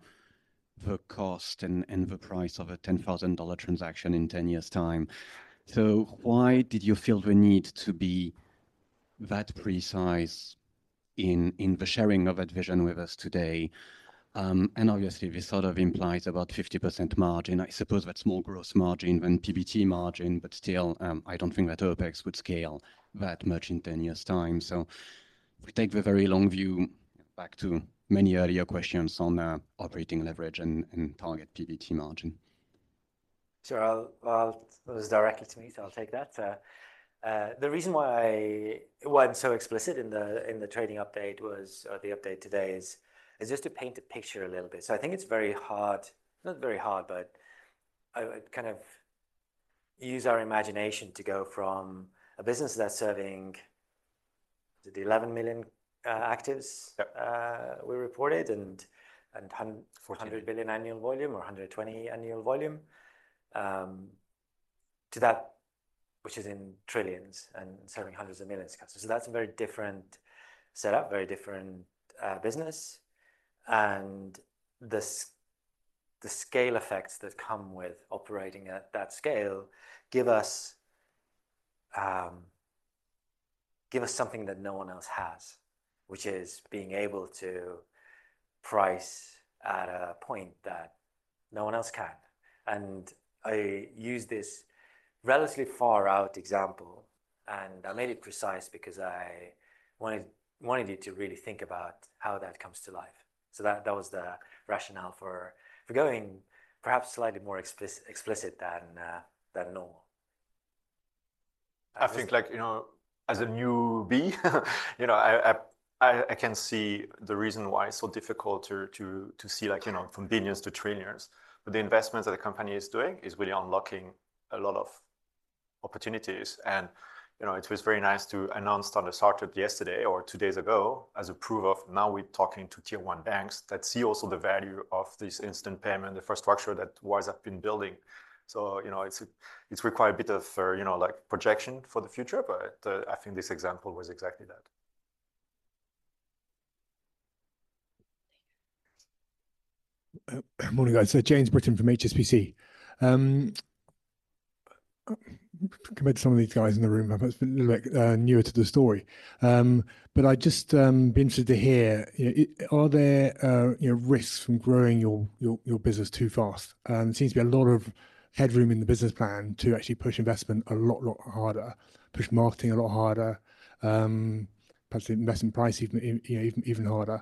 F: the cost and the price of a $10,000 transaction in 10 years' time, so why did you feel the need to be that precise in the sharing of that vision with us today? And obviously, this sort of implies about 50% margin. I suppose that's more gross margin than PBT margin, but still, I don't think that OPEX would scale that much in 10 years' time, so we take the very long view back to many earlier questions on operating leverage and target PBT margin.
B: So I'll pose directly to me, so I'll take that. The reason why I wasn't so explicit in the trading update was the update today is just to paint a picture a little bit. I think it's very hard, not very hard, but I kind of use our imagination to go from a business that's serving the 11 million actives we reported and 100 billion annual volume or 120 annual volume to that, which is in trillions and serving hundreds of millions of customers. That's a very different setup, very different business. The scale effects that come with operating at that scale give us something that no one else has, which is being able to price at a point that no one else can. I use this relatively far out example, and I made it precise because I wanted you to really think about how that comes to life. That was the rationale for going perhaps slightly more explicit than normal.
C: I think like, you know, as a newbie, you know, I can see the reason why it's so difficult to see like, you know, from billions to trillions. But the investments that the company is doing is really unlocking a lot of opportunities. And, you know, it was very nice to announce on the startup yesterday or two days ago as a proof of now we're talking to tier one banks that see also the value of this instant payment, the infrastructure that Wise has been building. So, you know, it's required a bit of, you know, like projection for the future, but I think this example was exactly that.
G: Morning guys, James Britton from HSBC. Compared to some of these guys in the room, I'm a little bit newer to the story. But I'd just be interested to hear, you know, are there you know risks from growing your business too fast? And it seems to be a lot of headroom in the business plan to actually push investment a lot harder, push marketing a lot harder, perhaps investment pricing, you know, even harder, you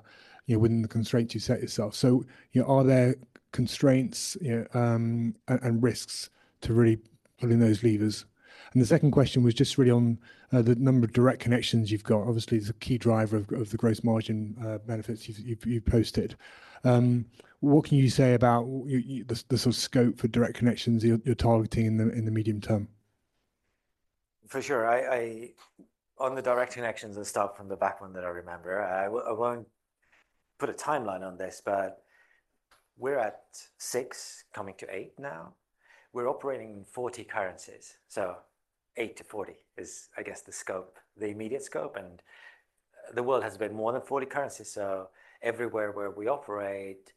G: know, within the constraints you set yourself. So, you know, are there constraints, you know, and risks to really pulling those levers? And the second question was just really on the number of direct connections you've got. Obviously, it's a key driver of the gross margin benefits you've posted. What can you say about the sort of scope for direct connections you're targeting in the medium term?
B: For sure. I on the direct connections, I'll start from the back one that I remember. I won't put a timeline on this, but we're at six, coming to eight now. We're operating in 40 currencies. So eight to 40 is, I guess, the scope, the immediate scope. And the world has more than 40 currencies. So everywhere where we operate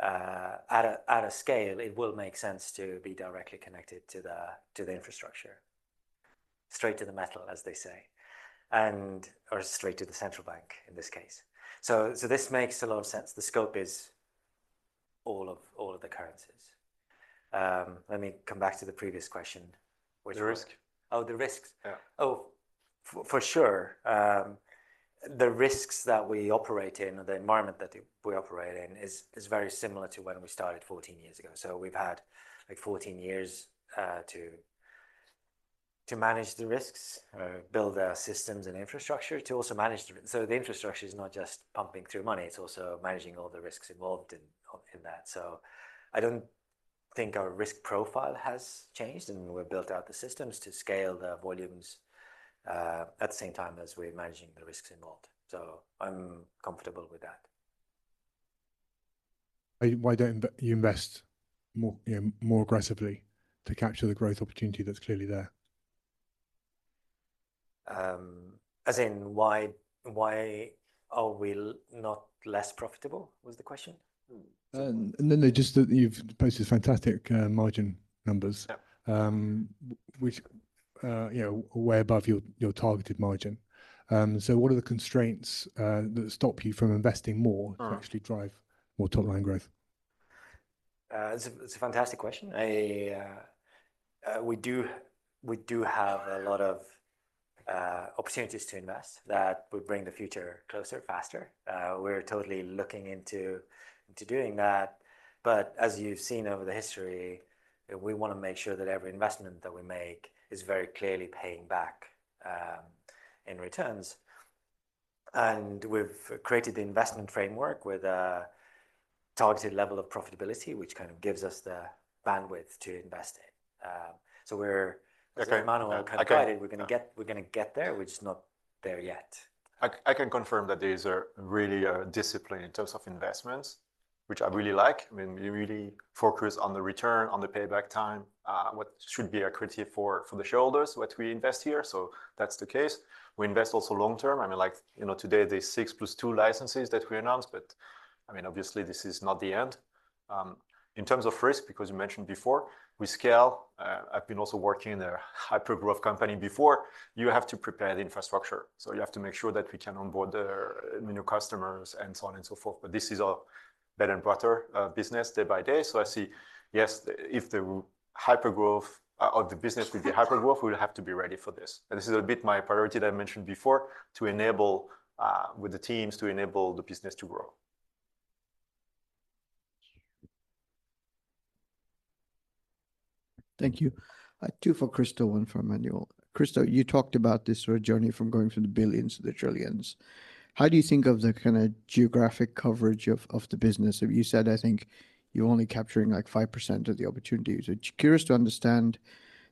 B: at a scale, it will make sense to be directly connected to the infrastructure, straight to the metal, as they say, and or straight to the central bank in this case. So this makes a lot of sense. The scope is all of the currencies. Let me come back to the previous question.
G: The risk.
B: Oh, the risks.
G: Yeah.
B: Oh, for sure. The risks that we operate in and the environment that we operate in is very similar to when we started 14 years ago. So we've had like 14 years to manage the risks, or build our systems and infrastructure to also manage the risks. So the infrastructure is not just pumping through money, it's also managing all the risks involved in that. So I don't think our risk profile has changed and we've built out the systems to scale the volumes at the same time as we're managing the risks involved. So I'm comfortable with that.
G: Why don't you invest more aggressively to capture the growth opportunity that's clearly there? As in why are we not less profitable was the question? And then they said that you've posted fantastic margin numbers. Yeah. We're way above your targeted margin. So what are the constraints that stop you from investing more to actually drive more top line growth?
B: It's a fantastic question. We do have a lot of opportunities to invest that would bring the future closer, faster. We're totally looking into doing that. But as you've seen over the history, we want to make sure that every investment that we make is very clearly paying back in returns. And we've created the investment framework with a targeted level of profitability, which kind of gives us the bandwidth to invest in. So we're Emmanuel kind of guided, we're going to get there, which is not there yet.
C: I can confirm that these are really disciplined in terms of investments, which I really like. I mean, you really focus on the return, on the payback time, what should be accretive for the shareholders what we invest here. So that's the case. We invest also long term. I mean, like, you know, today there's six plus two licenses that we announced, but I mean, obviously, this is not the end. In terms of risk, because you mentioned before, we scale. I've been also working in a hypergrowth company before. You have to prepare the infrastructure. So you have to make sure that we can onboard the new customers and so on and so forth. But this is a bread and butter business day by day. So I see, yes, if the hypergrowth of the business will be hypergrowth, we'll have to be ready for this. And this is a bit my priority that I mentioned before to enable with the teams to enable the business to grow.
G: Thank you. Two for Kristo and for Emmanuel. Kristo, you talked about this sort of journey from going from the billions to the trillions. How do you think of the kind of geographic coverage of the business? You said, I think you're only capturing like 5% of the opportunities. I'm curious to understand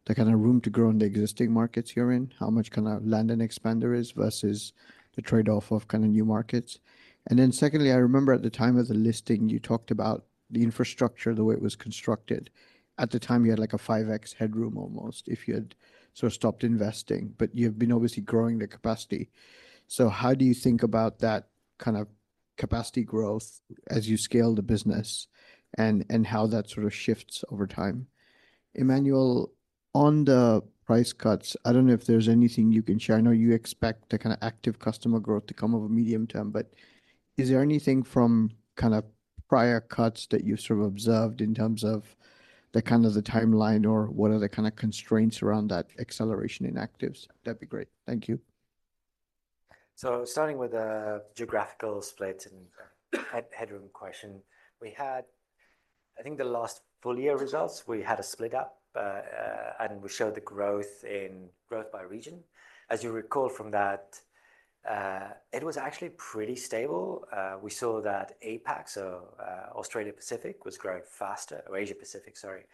G: the kind of room to grow in the existing markets you're in, how much kind of land and expand is versus the trade-off of kind of new markets. And then secondly, I remember at the time of the listing, you talked about the infrastructure, the way it was constructed. At the time, you had like a 5x headroom almost if you had sort of stopped investing, but you have been obviously growing the capacity. So how do you think about that kind of capacity growth as you scale the business and how that sort of shifts over time? Emmanuel, on the price cuts, I don't know if there's anything you can share. I know you expect the kind of active customer growth to come over medium term, but is there anything from kind of prior cuts that you've sort of observed in terms of the kind of the timeline or what are the kind of constraints around that acceleration in actives? That'd be great. Thank you.
B: So starting with a geographical split and headroom question, we had, I think, the last full year results, we had a split up and we showed the growth in growth by region. As you recall from that, it was actually pretty stable. We saw that APAC, so Australia Pacific, was growing faster, or Asia Pacific, sorry,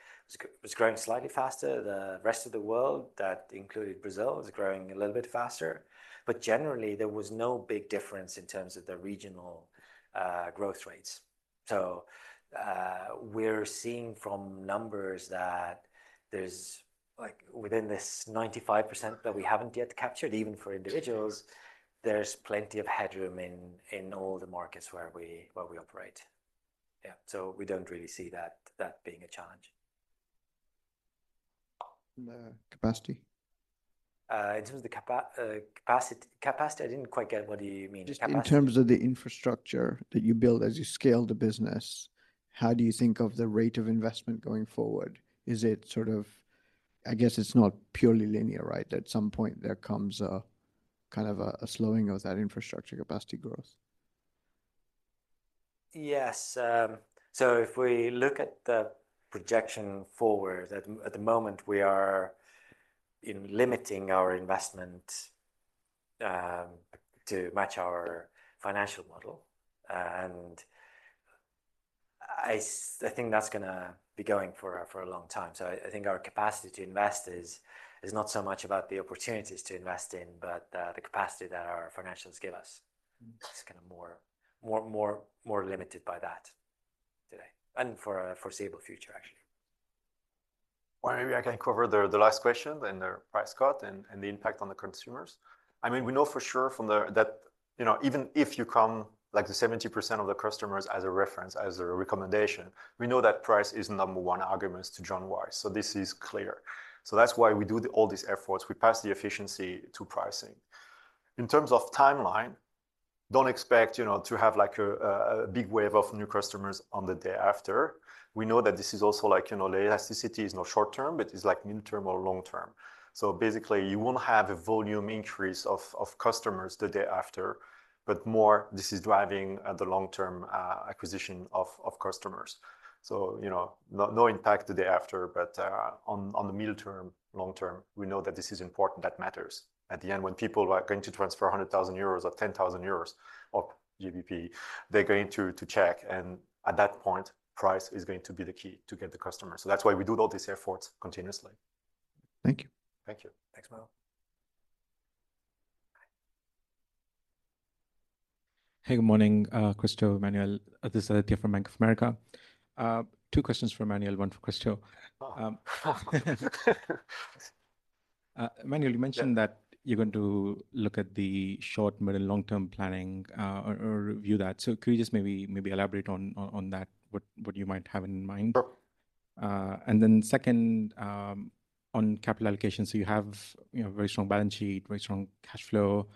B: was growing slightly faster. The rest of the world, that included Brazil, was growing a little bit faster. But generally, there was no big difference in terms of the regional growth rates. We're seeing from numbers that there's like within this 95% that we haven't yet captured, even for individuals, there's plenty of headroom in all the markets where we operate. Yeah. We don't really see that being a challenge.
G: The capacity?
B: In terms of the capacity, I didn't quite get what do you mean.
G: In terms of the infrastructure that you build as you scale the business, how do you think of the rate of investment going forward? Is it sort of, I guess it's not purely linear, right? At some point, there comes a kind of a slowing of that infrastructure capacity growth.
B: Yes. If we look at the projection forward, at the moment, we are in limiting our investment to match our financial model. And I think that's going to be going for a long time. I think our capacity to invest is not so much about the opportunities to invest in, but the capacity that our financials give us. It's kind of more limited by that today and for a foreseeable future, actually.
C: Maybe I can cover the last question and the price cut and the impact on consumers. I mean, we know for sure from the fact that, you know, even if you come like the 70% of the customers as a reference, as a recommendation, we know that price is number one argument to join Wise. So this is clear. So that's why we do all these efforts. We pass the efficiency to pricing. In terms of timeline, don't expect, you know, to have like a big wave of new customers on the day after. We know that this is also like, you know, the elasticity is not short term, but it's like midterm or long term. So basically, you won't have a volume increase of customers the day after, but more this is driving the long term acquisition of customers. So, you know, no impact the day after, but on the middle term, long term, we know that this is important that matters at the end when people are going to transfer 100,000 euros or 10,000 euros of GBP, they're going to check. And at that point, price is going to be the key to get the customer. So that's why we do all these efforts continuously.
G: Thank you.
B: Thank you.
C: Thanks, Mario.
H: Hey, good morning, Kristo, Emmanuel. This is Aditya from Bank of America. Two questions for Emmanuel, one for Kristo. Emmanuel, you mentioned that you're going to look at the short, middle, and long term planning or review that. So could you just maybe elaborate on that, what you might have in mind? Sure. And then second, on capital allocation, so you have, you know, a very strong balance sheet, very strong cash flow.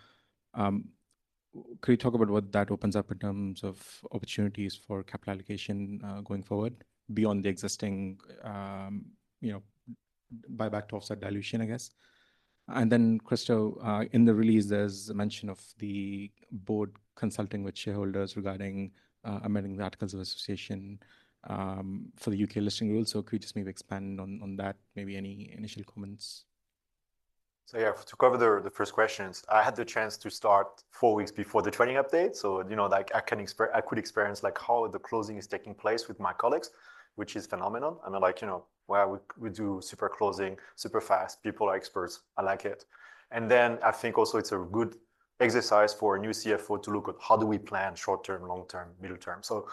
H: Could you talk about what that opens up in terms of opportunities for capital allocation going forward beyond the existing, you know, buyback, offset dilution, I guess? And then, Kristo, in the release, there's a mention of the board consulting with shareholders regarding amending the Articles of Association for the U.K. Listing Rules. So could you just maybe expand on that, maybe any initial comments?
C: So yeah, to cover the first questions, I had the chance to start four weeks before the earnings update. You know, like I could experience like how the closing is taking place with my colleagues, which is phenomenal. I mean, like, you know, where we do super closing, super fast, people are experts. I like it, and then I think also it's a good exercise for a new CFO to look at how do we plan short term, long term, middle term. So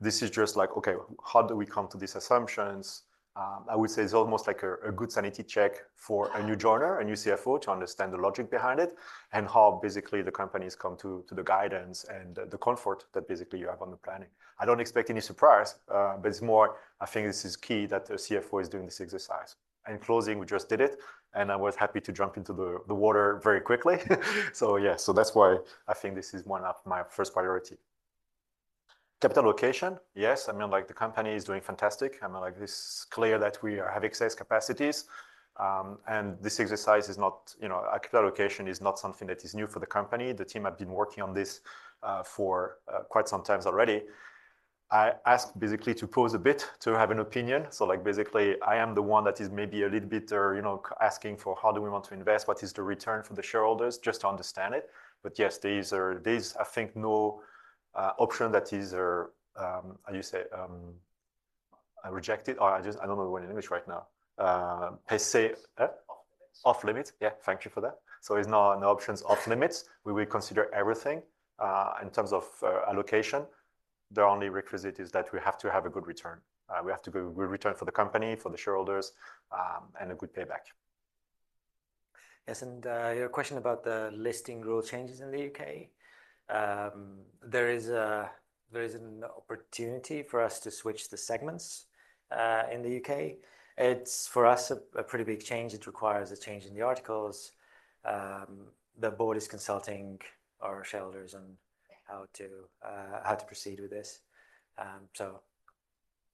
C: this is just like, okay, how do we come to these assumptions? I would say it's almost like a good sanity check for a new joiner, a new CFO to understand the logic behind it and how basically the companies come to the guidance and the comfort that basically you have on the planning. I don't expect any surprise, but it's more, I think this is key that the CFO is doing this exercise, and closing, we just did it. And I was happy to jump into the water very quickly. So yeah, so that's why I think this is one of my first priorities. Capital allocation, yes. I mean, like the company is doing fantastic. I mean, like this is clear that we have excess capacities. And this exercise is not, you know, capital allocation is not something that is new for the company. The team have been working on this for quite some time already. I asked basically to pose a bit to have an opinion. So like basically, I am the one that is maybe a little bit or, you know, asking for how do we want to invest, what is the return for the shareholders just to understand it. But yes, these are these, I think, no option that is, how do you say, rejected. I just, I don't know the word in English right now.
H: Pays off limits.
C: Off limits. Yeah, thank you for that. So it's not an options off limits. We will consider everything in terms of allocation. The only requisite is that we have to have a good return. We have to go with return for the company, for the shareholders, and a good payback.
B: Yes. And your question about the Listing Rules changes in the U.K., there is an opportunity for us to switch the segments in the U.K. It's for us a pretty big change. It requires a change in the articles. The board is consulting our shareholders on how to proceed with this. So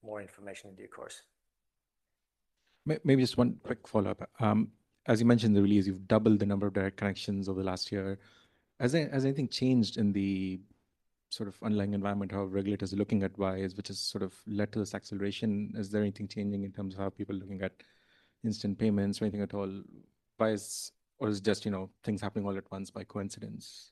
B: more information in due course.
H: Maybe just one quick follow-up. As you mentioned in the release, you've doubled the number of direct connections over the last year. Has anything changed in the sort of underlying environment how regulators are looking at Wise, which has sort of led to this acceleration? Is there anything changing in terms of how people are looking at instant payments or anything at all? Wise or is it just, you know, things happening all at once by coincidence?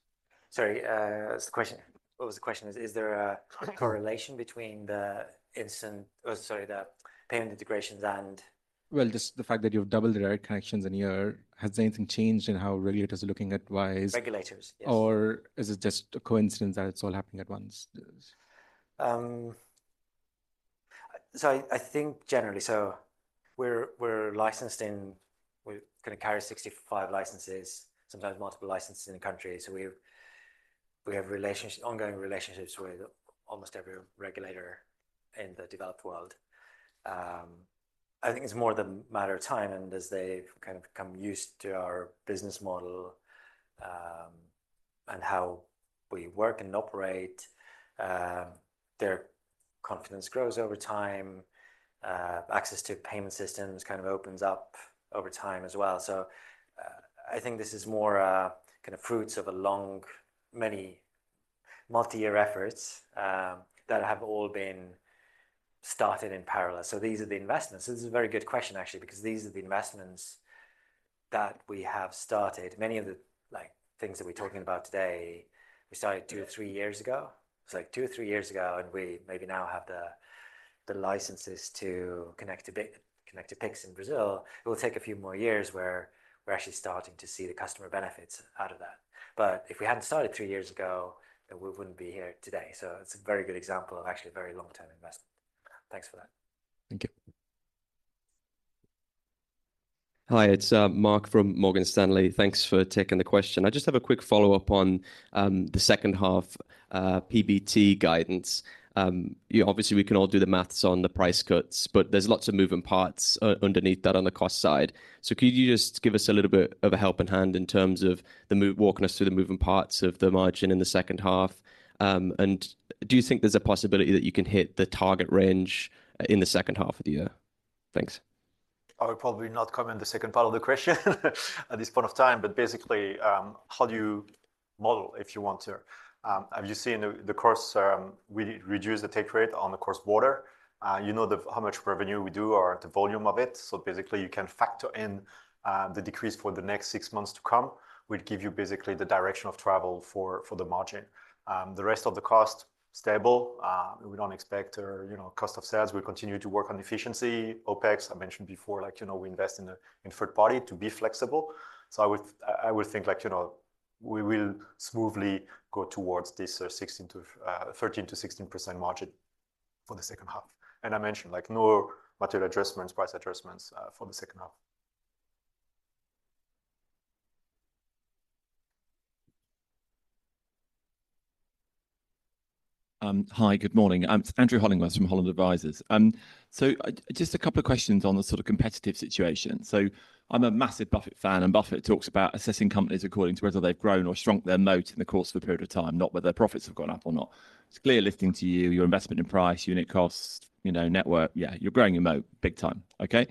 B: Sorry, what was the question? What was the question?
H: Is there a correlation between the instant or sorry, the payment integrations and. Well, just the fact that you've doubled the direct connections in a year, has anything changed in how regulators are looking at Wise? Regulators, yes. Or is it just a coincidence that it's all happening at once?
B: So I think generally, so we're licensed in, we're going to carry 65 licenses, sometimes multiple licenses in the country. So we have relationships, ongoing relationships with almost every regulator in the developed world. I think it's more the matter of time, and as they've kind of come used to our business model and how we work and operate, their confidence grows over time. Access to payment systems kind of opens up over time as well, so I think this is more kind of fruits of a long, many multi-year efforts that have all been started in parallel, so these are the investments. This is a very good question, actually, because these are the investments that we have started. Many of the like things that we're talking about today, we started two or three years ago. It's like two or three years ago, and we maybe now have the licenses to connect to Pix in Brazil. It will take a few more years where we're actually starting to see the customer benefits out of that. But if we hadn't started three years ago, we wouldn't be here today. So it's a very good example of actually a very long-term investment. Thanks for that.
H: Thank you.
I: Hi, it's Mark from Morgan Stanley. Thanks for taking the question. I just have a quick follow-up on the second half PBT guidance. Obviously, we can all do the math on the price cuts, but there's lots of moving parts underneath that on the cost side. So could you just give us a little bit of a helping hand in terms of walking us through the moving parts of the margin in the second half? And do you think there's a possibility that you can hit the target range in the second half of the year? Thanks.
C: I would probably not comment on the second part of the question at this point of time, but basically, how do you model if you want to? Have you seen the cost? We reduce the take rate on the customer. You know how much revenue we do or the volume of it. So basically, you can factor in the decrease for the next six months to come. We'd give you basically the direction of travel for the margin. The rest of the cost stable. We don't expect our, you know, cost of sales. We'll continue to work on efficiency. OPEX, I mentioned before, like, you know, we invest in a third party to be flexible. So I would think like, you know, we will smoothly go towards this 16%-13%-16% margin for the second half. I mentioned like no material adjustments, price adjustments for the second half.
J: Hi, good morning. I'm Andrew Hollingworth from Holland Advisors. Just a couple of questions on the sort of competitive situation. I'm a massive Buffett fan, and Buffett talks about assessing companies according to whether they've grown or shrunk their moat in the course of a period of time, not whether their profits have gone up or not. It's clear listening to you, your investment in price, unit costs, you know, network, yeah, you're growing your moat big time. Okay.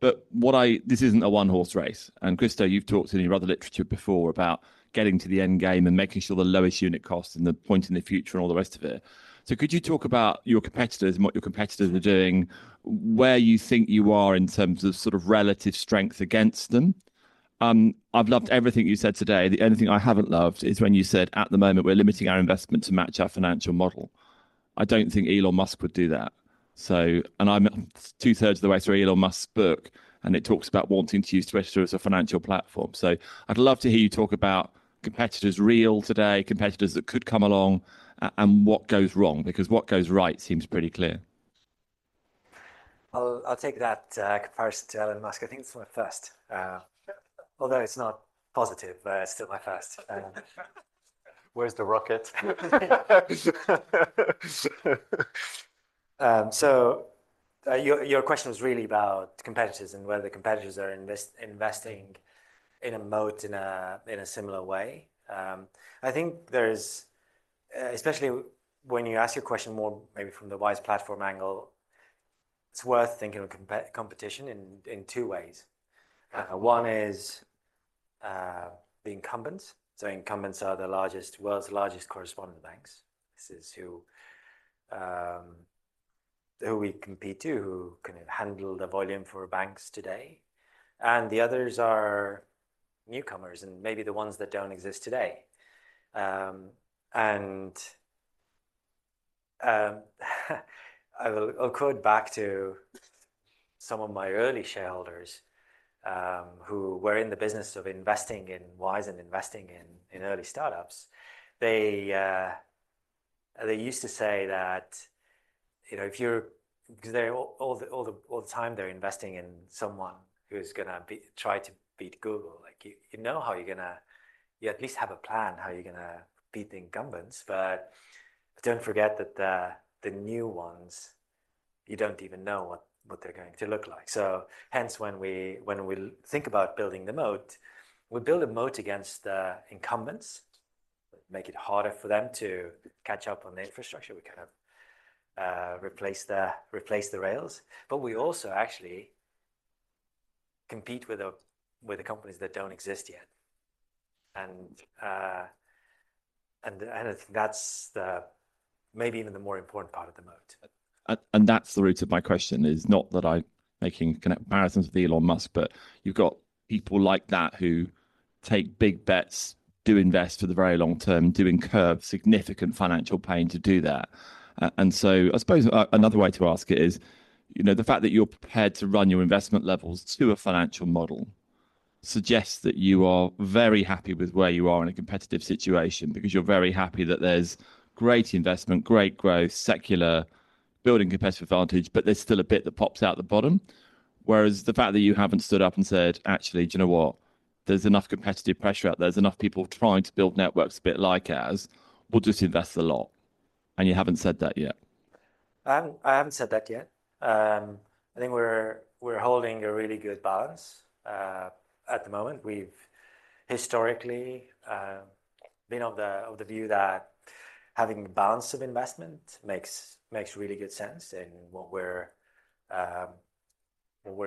J: But what I this isn't a one-horse race. And Kristo, you've talked in your other literature before about getting to the end game and making sure the lowest unit cost and the point in the future and all the rest of it. So could you talk about your competitors and what your competitors are doing, where you think you are in terms of sort of relative strength against them? I've loved everything you said today. The only thing I haven't loved is when you said at the moment we're limiting our investment to match our financial model. I don't think Elon Musk would do that. So, and I'm two-thirds of the way through Elon Musk's book, and it talks about wanting to use Twitter as a financial platform. So I'd love to hear you talk about competitors real today, competitors that could come along, and what goes wrong, because what goes right seems pretty clear.
B: I'll take that comparison to Elon Musk. I think it's my first, although it's not positive, still my first.
C: Where's the rocket?
B: So your question was really about competitors and whether the competitors are investing in a moat in a similar way. I think there's, especially when you ask your question more maybe from the Wise Platform angle, it's worth thinking of competition in two ways. One is the incumbents. So incumbents are the largest, world's largest correspondent banks. This is who we compete to, who can handle the volume for banks today. And the others are newcomers and maybe the ones that don't exist today. And I will echo it back to some of my early shareholders who were in the business of investing in Wise and investing in early startups. They used to say that, you know, if you're because they're all the time they're investing in someone who's going to try to beat Google. Like, you know how you're going to, you at least have a plan how you're going to beat the incumbents. But don't forget that the new ones, you don't even know what they're going to look like. So hence, when we think about building the moat, we build a moat against the incumbents. Make it harder for them to catch up on the infrastructure. We kind of replace the rails. But we also actually compete with the companies that don't exist yet. And I think that's the maybe even the more important part of the moat.
J: And that's the root of my question is not that I'm making comparisons with Elon Musk, but you've got people like that who take big bets, do invest for the very long term, do incur significant financial pain to do that. I suppose another way to ask it is, you know, the fact that you're prepared to run your investment levels to a financial model suggests that you are very happy with where you are in a competitive situation because you're very happy that there's great investment, great growth, secular, building competitive advantage, but there's still a bit that pops out the bottom. Whereas the fact that you haven't stood up and said, actually, do you know what? There's enough competitive pressure out there. There's enough people trying to build networks a bit like ours. We'll just invest a lot. And you haven't said that yet.
B: I haven't said that yet. I think we're holding a really good balance at the moment. We've historically been of the view that having a balance of investment makes really good sense in what we're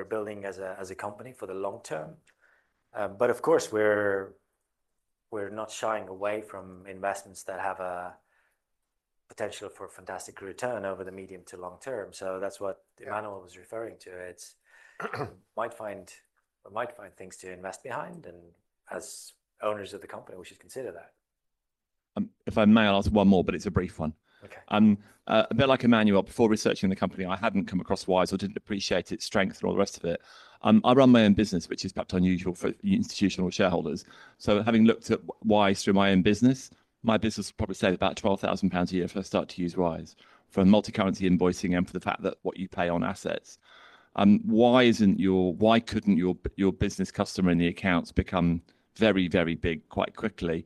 B: building as a company for the long term. But of course, we're not shying away from investments that have a potential for fantastic return over the medium to long term. So that's what Emmanuel was referring to. We might find things to invest behind and as owners of the company, we should consider that.
J: If I may ask one more, but it's a brief one. Okay. A bit like Emmanuel, before researching the company, I hadn't come across Wise or didn't appreciate its strength and all the rest of it. I run my own business, which is perhaps unusual for institutional shareholders. Having looked at Wise through my own business, my business would probably save about 12,000 pounds a year if I start to use Wise for multicurrency invoicing and for the fact that what you pay on assets. Why couldn't your business customer in the accounts become very, very big quite quickly?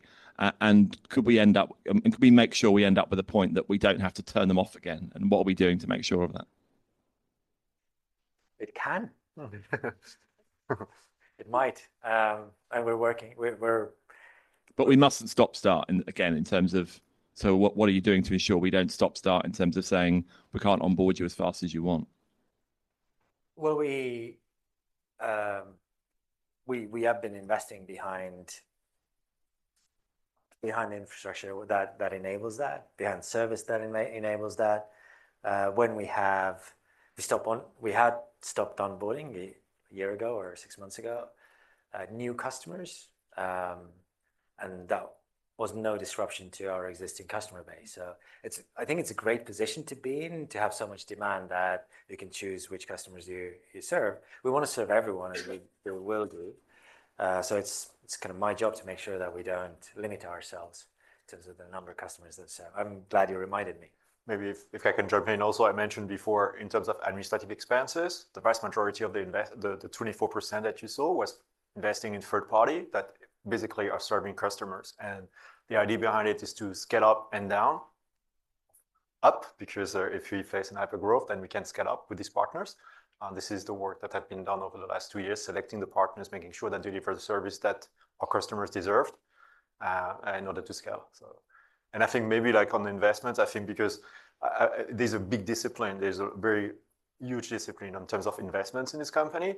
J: And could we make sure we end up with a point that we don't have to turn them off again? And what are we doing to make sure of that?
C: It can. It might. And we're working.
J: But we mustn't stop starting again in terms of so what are you doing to ensure we don't stop start in terms of saying we can't onboard you as fast as you want?
C: Well, we have been investing behind infrastructure that enables that, behind service that enables that. When we had stopped onboarding a year ago or six months ago, new customers. That was no disruption to our existing customer base. It's, I think, a great position to be in, to have so much demand that you can choose which customers you serve. We want to serve everyone, and we will do. It's kind of my job to make sure that we don't limit ourselves in terms of the number of customers that we serve. I'm glad you reminded me. Maybe if I can jump in also. I mentioned before in terms of administrative expenses, the vast majority of the 24% that you saw was investing in third party that basically are serving customers. The idea behind it is to scale up and down, up because if we face a hypergrowth, then we can scale up with these partners. This is the work that had been done over the last two years, selecting the partners, making sure that they deliver the service that our customers deserved in order to scale. So, and I think maybe like on the investments, I think because there's a big discipline, there's a very huge discipline in terms of investments in this company.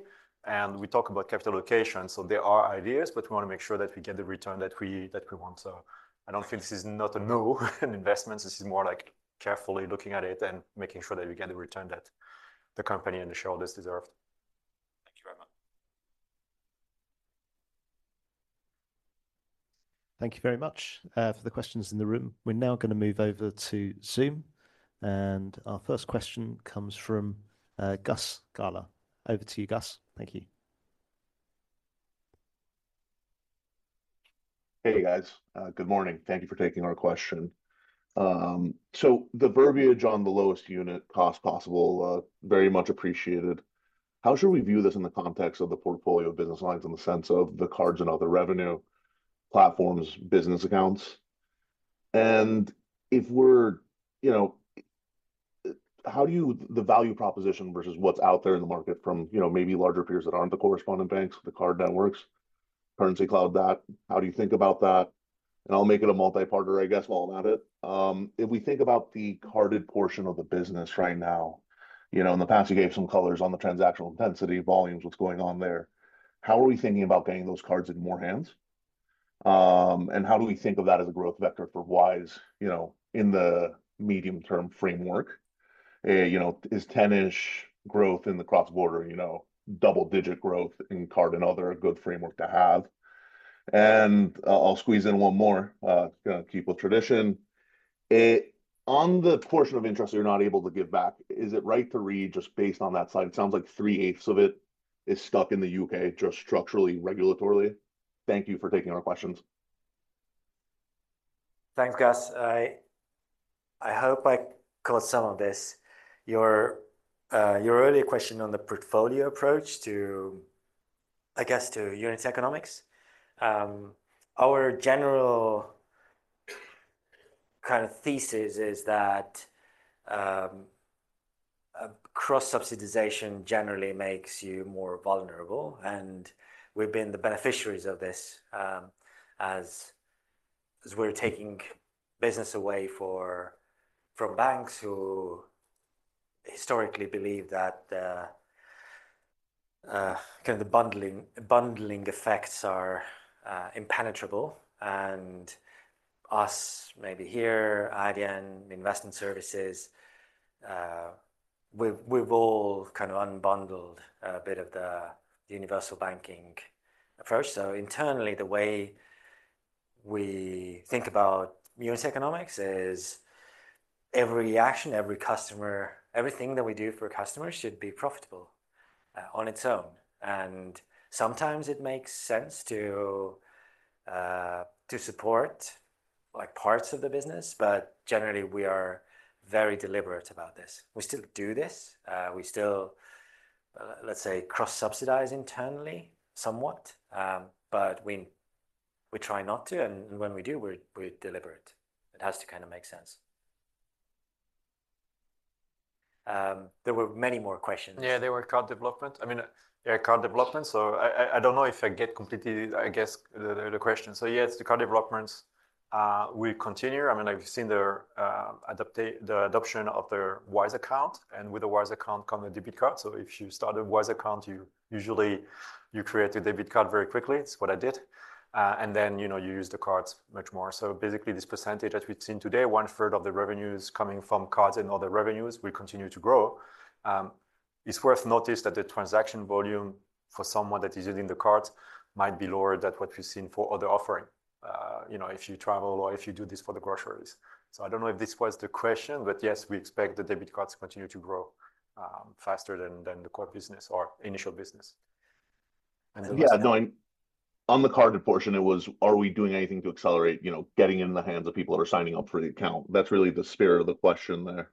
C: We talk about capital allocation. So there are ideas, but we want to make sure that we get the return that we want. I don't think this is not a no in investments. This is more like carefully looking at it and making sure that we get the return that the company and the shareholders deserve. Thank you very much.
A: Thank you very much for the questions in the room. We're now going to move over to Zoom, and our first question comes from Gus Gala. Over to you, Gus. Thank you.
K: Hey, guys. Good morning. Thank you for taking our question. So the verbiage on the lowest unit cost possible, very much appreciated. How should we view this in the context of the portfolio of business lines in the sense of the cards and other revenue platforms, business accounts, and if we're, you know, how do you the value proposition versus what's out there in the market from, you know, maybe larger peers that aren't the correspondent banks, the card networks, Currencycloud that, how do you think about that, and I'll make it a multi-partner, I guess, while I'm at it. If we think about the carded portion of the business right now, you know, in the past, you gave some colors on the transactional intensity volumes, what's going on there. How are we thinking about getting those cards in more hands? And how do we think of that as a growth vector for Wise, you know, in the medium-term framework? You know, is 10-ish growth in the cross-border, you know, double-digit growth in card and other a good framework to have? And I'll squeeze in one more. I'm going to keep a tradition. On the portion of interest that you're not able to give back, is it right to reinvest based on that side? It sounds like three-eighths of it is stuck in the U.K., just structurally, regulatorily. Thank you for taking our questions.
B: Thanks, Gus. I hope I caught some of this. Your earlier question on the portfolio approach to, I guess, to unit economics. Our general kind of thesis is that cross-subsidization generally makes you more vulnerable, and we've been the beneficiaries of this as we're taking business away from banks who historically believe that kind of the bundling effects are impenetrable, and us, maybe here, Adyen, investment services, we've all kind of unbundled a bit of the universal banking approach, so internally, the way we think about unit economics is every action, every customer, everything that we do for a customer should be profitable on its own, and sometimes it makes sense to support like parts of the business, but generally, we are very deliberate about this. We still do this. We still, let's say, cross-subsidize internally somewhat, but we try not to, and when we do, we're deliberate. It has to kind of make sense. There were many more questions.
C: Yeah, there were card developments. So I don't know if I get completely, I guess, the question. So yes, the card developments will continue. I mean, I've seen the adoption of the Wise Account, and with the Wise Account come a debit card. So if you start a Wise Account, you usually create a debit card very quickly. It's what I did, and then, you know, you use the cards much more. So basically, this percentage that we've seen today, one-third of the revenues coming from cards and other revenues will continue to grow. It's worth noting that the transaction volume for someone that is using the card might be lower than what we've seen for other offering, you know, if you travel or if you do this for the groceries. So I don't know if this was the question, but yes, we expect the debit cards to continue to grow faster than the core business or initial business. And yeah.
K: On the carded portion, it was, are we doing anything to accelerate, you know, getting in the hands of people that are signing up for the account? That's really the spirit of the question there.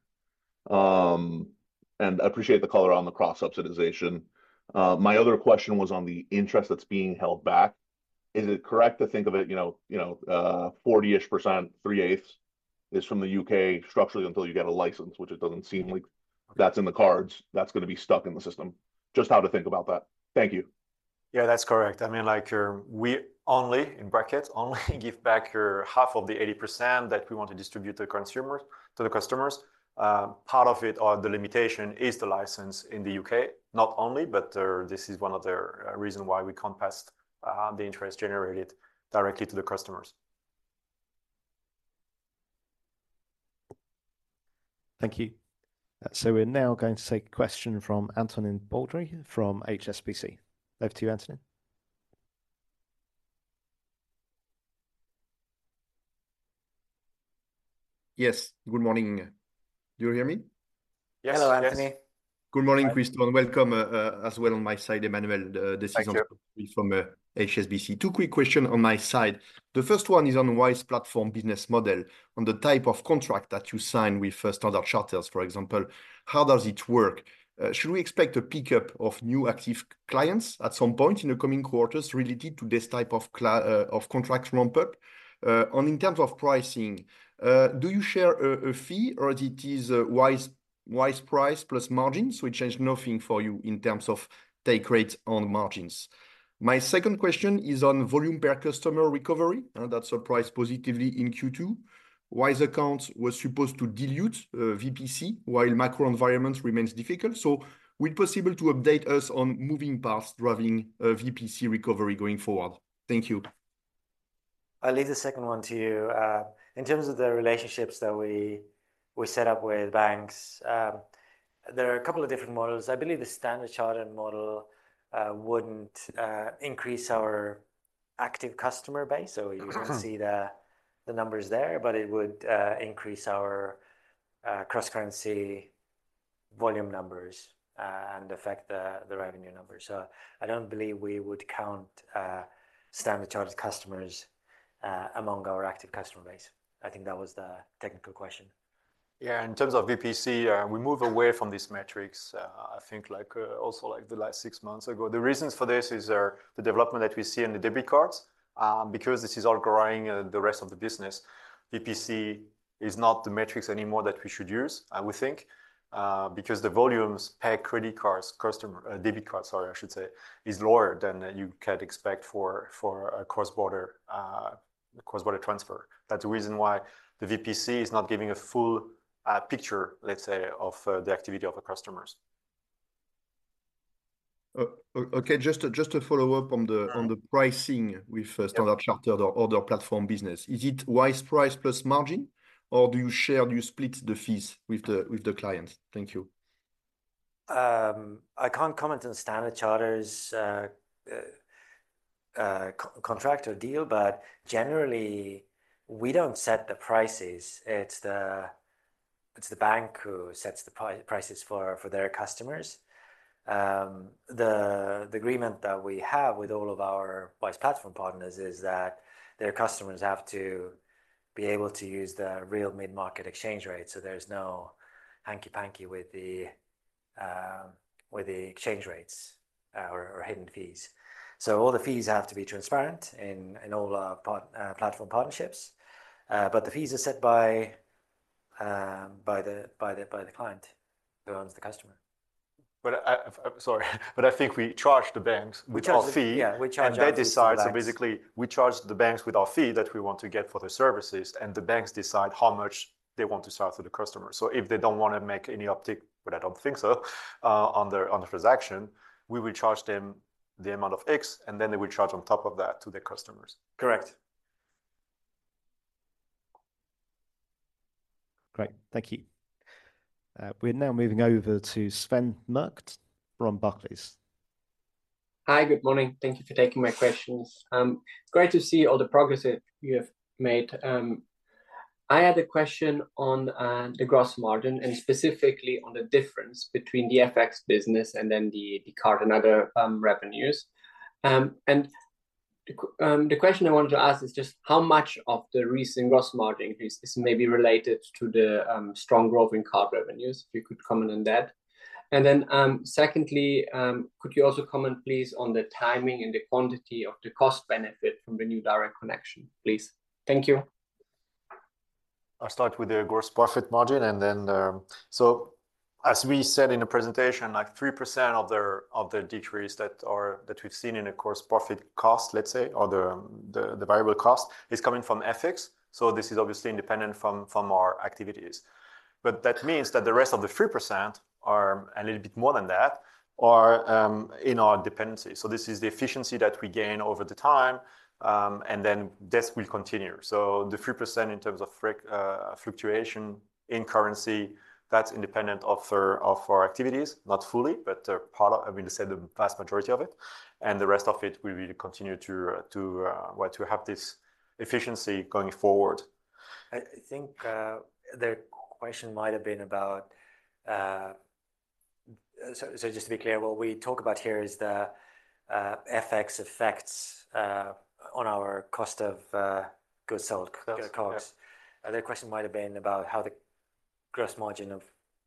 K: And I appreciate the color on the cross-subsidization. My other question was on the interest that's being held back. Is it correct to think of it, you know, you know, 40-ish%, three-eighths is from the U.K. structurally until you get a license, which it doesn't seem like that's in the cards. That's going to be stuck in the system. Just how to think about that. Thank you.
C: Yeah, that's correct. I mean, like, you're only in brackets only give back your half of the 80% that we want to distribute to consumers to the customers. Part of it or the limitation is the license in the U.K., not only, but this is one of the reasons why we can't pass the interest generated directly to the customers.
A: Thank you. We're now going to take a question from Antonin Baudry from HSBC. Over to you, Antonin.
L: Yes. Good morning. Do you hear me?
A: Yes. Hello, Antonin.
L: Good morning, Kristo. And welcome as well on my side, Emmanuel. This is Antonin from HSBC. Two quick questions on my side. The first one is on Wise Platform business model, on the type of contract that you sign with Standard Chartered, for example. How does it work? Should we expect a pickup of new active clients at some point in the coming quarters related to this type of contract ramp-up? And in terms of pricing, do you share a fee or it is Wise price plus margin? So it changed nothing for you in terms of take rates on margins. My second question is on volume per customer recovery that surprised positively in Q2. Wise accounts were supposed to dilute VPC while macro environment remains difficult. So will it be possible to update us on moving parts driving VPC recovery going forward? Thank you.
B: I'll leave the second one to you. In terms of the relationships that we set up with banks, there are a couple of different models. I believe the Standard Chartered model wouldn't increase our active customer base. So you can see the numbers there, but it would increase our cross-currency volume numbers and affect the revenue numbers. So I don't believe we would count Standard Chartered customers among our active customer base. I think that was the technical question.
C: Yeah, in terms of VPC, we move away from these metrics, I think, like also like the last six months ago. The reasons for this is the development that we see in the debit cards, because this is all growing the rest of the business. VPC is not the metrics anymore that we should use, I would think, because the volumes per credit cards, customer debit cards, sorry, I should say, is lower than you can expect for a cross-border transfer. That's the reason why the VPC is not giving a full picture, let's say, of the activity of the customers.
L: Okay, just to follow up on the pricing with Standard Chartered or other platform business, is it Wise price plus margin or do you share, do you split the fees with the clients? Thank you.
B: I can't comment on Standard Chartered's contract or deal, but generally, we don't set the prices. It's the bank who sets the prices for their customers. The agreement that we have with all of our Wise Platform partners is that their customers have to be able to use the real mid-market exchange rate. So there's no hanky-panky with the exchange rates or hidden fees. So all the fees have to be transparent in all platform partnerships. But the fees are set by the client who owns the customer.
C: But sorry, but I think we charge the banks with our fee. Yeah, we charge our fee. They decide, so basically, we charge the banks with our fee that we want to get for the services, and the banks decide how much they want to charge to the customer. So if they don't want to make any uptick, but I don't think so, on the transaction, we will charge them the amount of X, and then they will charge on top of that to their customers.
B: Correct.
L: Great.
A: Thank you. We're now moving over to Sven Merkt from Barclays.
M: Hi, good morning. Thank you for taking my questions. Great to see all the progress that you have made. I had a question on the gross margin and specifically on the difference between the FX business and then the card and other revenues. The question I wanted to ask is just how much of the recent gross margin increase is maybe related to the strong growth in card revenues, if you could comment on that? Then secondly, could you also comment, please, on the timing and the quantity of the cost benefit from the new direct connection, please? Thank you.
C: I'll start with the gross profit margin. Then, so as we said in the presentation, like 3% of the decrease that we've seen in the gross profit cost, let's say, or the variable cost is coming from FX. This is obviously independent from our activities. That means that the rest of the 3% are a little bit more than that or in our dependency. This is the efficiency that we gain over the time, and then this will continue. So the 3% in terms of fluctuation in currency, that's independent of our activities, not fully, but part of. I mean, I said the vast majority of it. And the rest of it will continue to have this efficiency going forward.
B: I think the question might have been about, so just to be clear, what we talk about here is the FX effects on our cost of goods sold, goods cost. The question might have been about how the gross margin of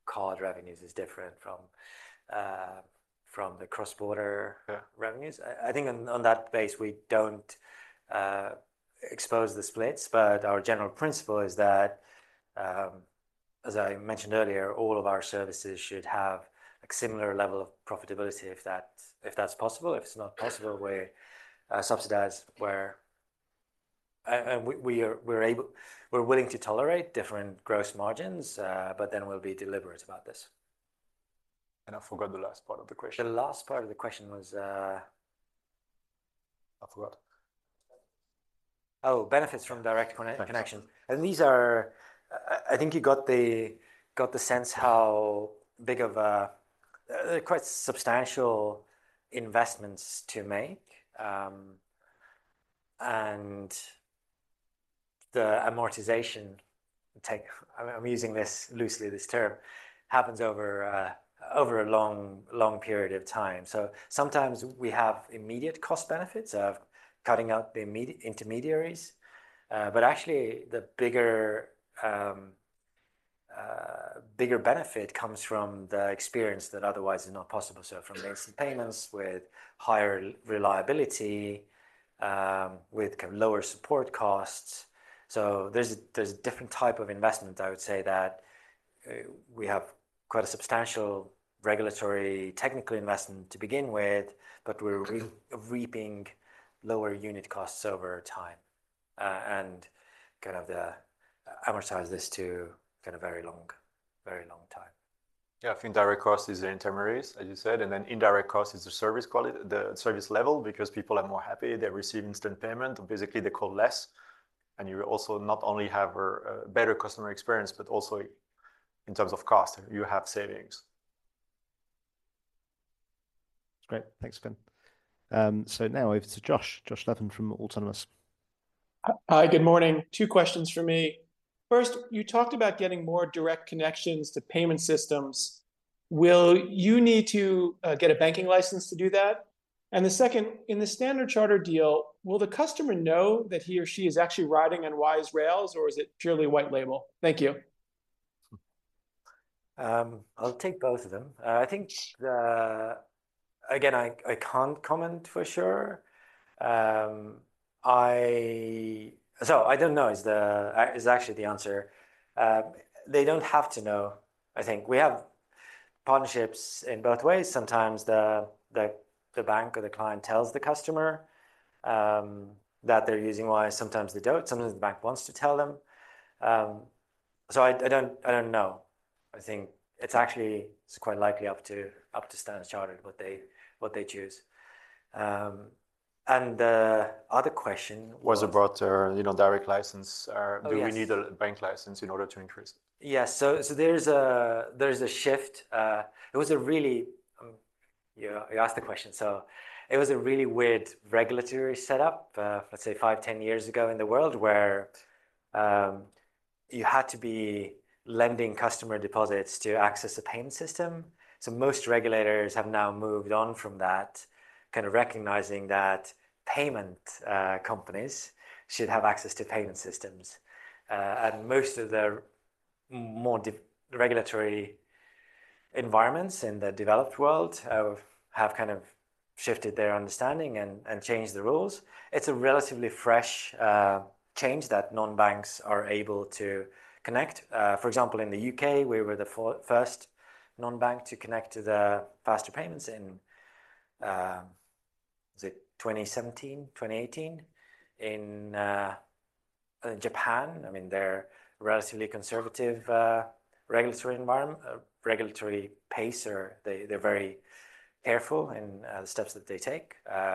B: card revenues is different from the cross-border revenues. I think on that base, we don't expose the splits, but our general principle is that, as I mentioned earlier, all of our services should have a similar level of profitability if that's possible. If it's not possible, we subsidize where, and we're willing to tolerate different gross margins, but then we'll be deliberate about this. I forgot the last part of the question. The last part of the question was, I forgot. Oh, benefits from direct connection. These are, I think you got the sense how big of a, they're quite substantial investments to make. The amortization, I'm using this loosely, this term, happens over a long, long period of time. Sometimes we have immediate cost benefits of cutting out the intermediaries. Actually, the bigger benefit comes from the experience that otherwise is not possible, from instant payments with higher reliability, with kind of lower support costs. There's a different type of investment, I would say, that we have quite a substantial regulatory technical investment to begin with, but we're reaping lower unit costs over time. We kind of amortize this over kind of very long, very long time.
C: Yeah, I think direct cost is the intermediaries, as you said. And then indirect cost is the service quality, the service level, because people are more happy. They receive instant payment. Basically, they call less. And you also not only have a better customer experience, but also in terms of cost, you have savings.
M: Great. Thanks, Ben.
A: So now over to Josh. Josh Levin from Autonomous.
N: Hi, good morning. Two questions for me. First, you talked about getting more direct connections to payment systems. Will you need to get a banking license to do that? And the second, in the Standard Chartered deal, will the customer know that he or she is actually riding on Wise rails, or is it purely white label? Thank you.
B: I'll take both of them. I think, again, I can't comment for sure. So I don't know is actually the answer. They don't have to know, I think. We have partnerships in both ways. Sometimes the bank or the client tells the customer that they're using Wise. Sometimes they don't. Sometimes the bank wants to tell them. So I don't know. I think it's actually quite likely up to Standard Chartered what they choose. And the other question was about direct license.
N: Do we need a bank license in order to increase?
B: Yeah, so there's a shift. It was a really, you asked the question. So it was a really weird regulatory setup, let's say, five, ten years ago in the world where you had to be lending customer deposits to access a payment system. So most regulators have now moved on from that, kind of recognizing that payment companies should have access to payment systems. Most of the more regulatory environments in the developed world have kind of shifted their understanding and changed the rules. It's a relatively fresh change that non-banks are able to connect. For example, in the U.K., we were the first non-bank to connect to the Faster Payments in, was it 2017, 2018? In Japan, I mean, they're a relatively conservative regulatory environment, regulatory pace, or they're very careful in the steps that they take.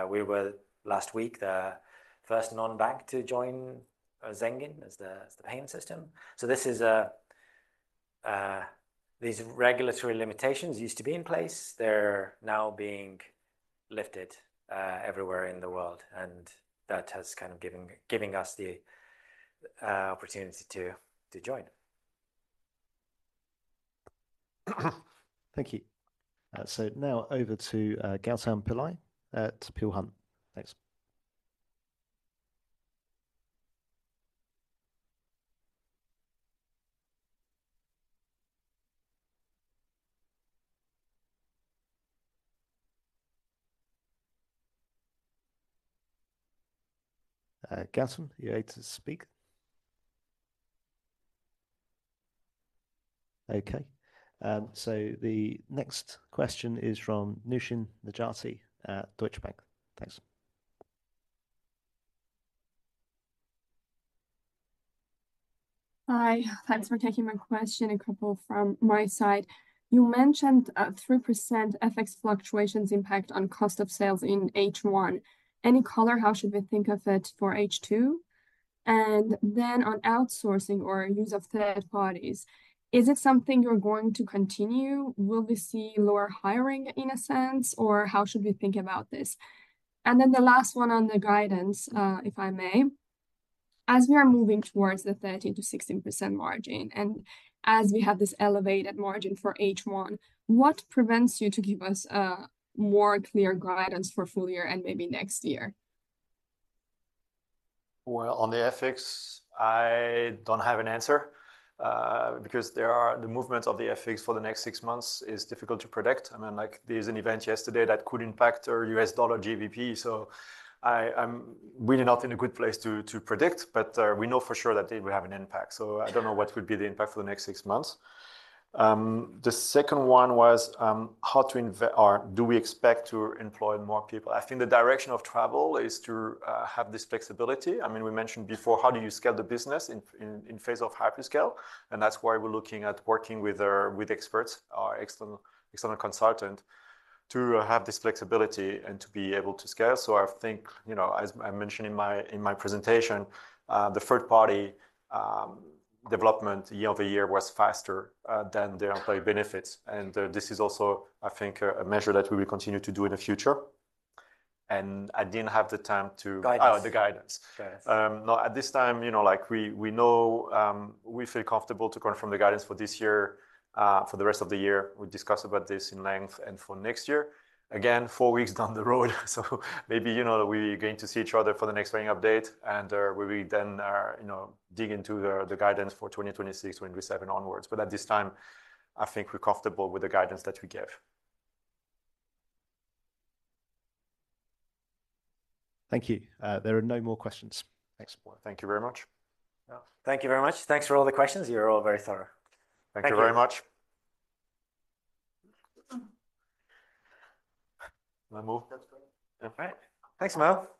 B: We were last week the first non-bank to join Zengin as the payment system. So this is a, these regulatory limitations used to be in place. They're now being lifted everywhere in the world. And that has kind of given us the opportunity to join.
N: Thank you.
A: So now over to Gautam Pillai at Peel Hunt. Thanks. Gautam, you're able to speak? Okay. So the next question is from Noushin Nejati at Deutsche Bank. Thanks.
O: Hi, thanks for taking my question. A couple from my side. You mentioned 3% FX fluctuations impact on cost of sales in H1. Any color? How should we think of it for H2? And then on outsourcing or use of third parties, is it something you're going to continue? Will we see lower hiring in a sense, or how should we think about this? And then the last one on the guidance, if I may. As we are moving towards the 30%-16% margin, and as we have this elevated margin for H1, what prevents you to give us a more clear guidance for full year and maybe next year?
C: On the FX, I don't have an answer because there are the movements of the FX for the next six months is difficult to predict. I mean, like there's an event yesterday that could impact our U.S. dollar GBP. So I'm really not in a good place to predict, but we know for sure that they will have an impact. So I don't know what would be the impact for the next six months. The second one was how to, or do we expect to employ more people? I think the direction of travel is to have this flexibility. I mean, we mentioned before, how do you scale the business in phase of hyper scale? And that's why we're looking at working with experts, our external consultant, to have this flexibility and to be able to scale. So I think, you know, as I mentioned in my presentation, the third-party development year over year was faster than their employee benefits. And this is also, I think, a measure that we will continue to do in the future.
B: And I didn't have the time to. Guidance.
C: Oh, the guidance. No, at this time, you know, like we know we feel comfortable to confirm the guidance for this year, for the rest of the year. We discussed about this at length and for next year. Again, four weeks down the road. So maybe, you know, we're going to see each other for the next earnings update. And we will then, you know, dig into the guidance for 2026 and beyond. But at this time, I think we're comfortable with the guidance that we give. Thank you.
A: There are no more questions.
B: Excellent. Thank you very much.
A: Thank you very much. Thanks for all the questions. You're all very thorough. Thank you very much. My move. All right. Thanks, Mel.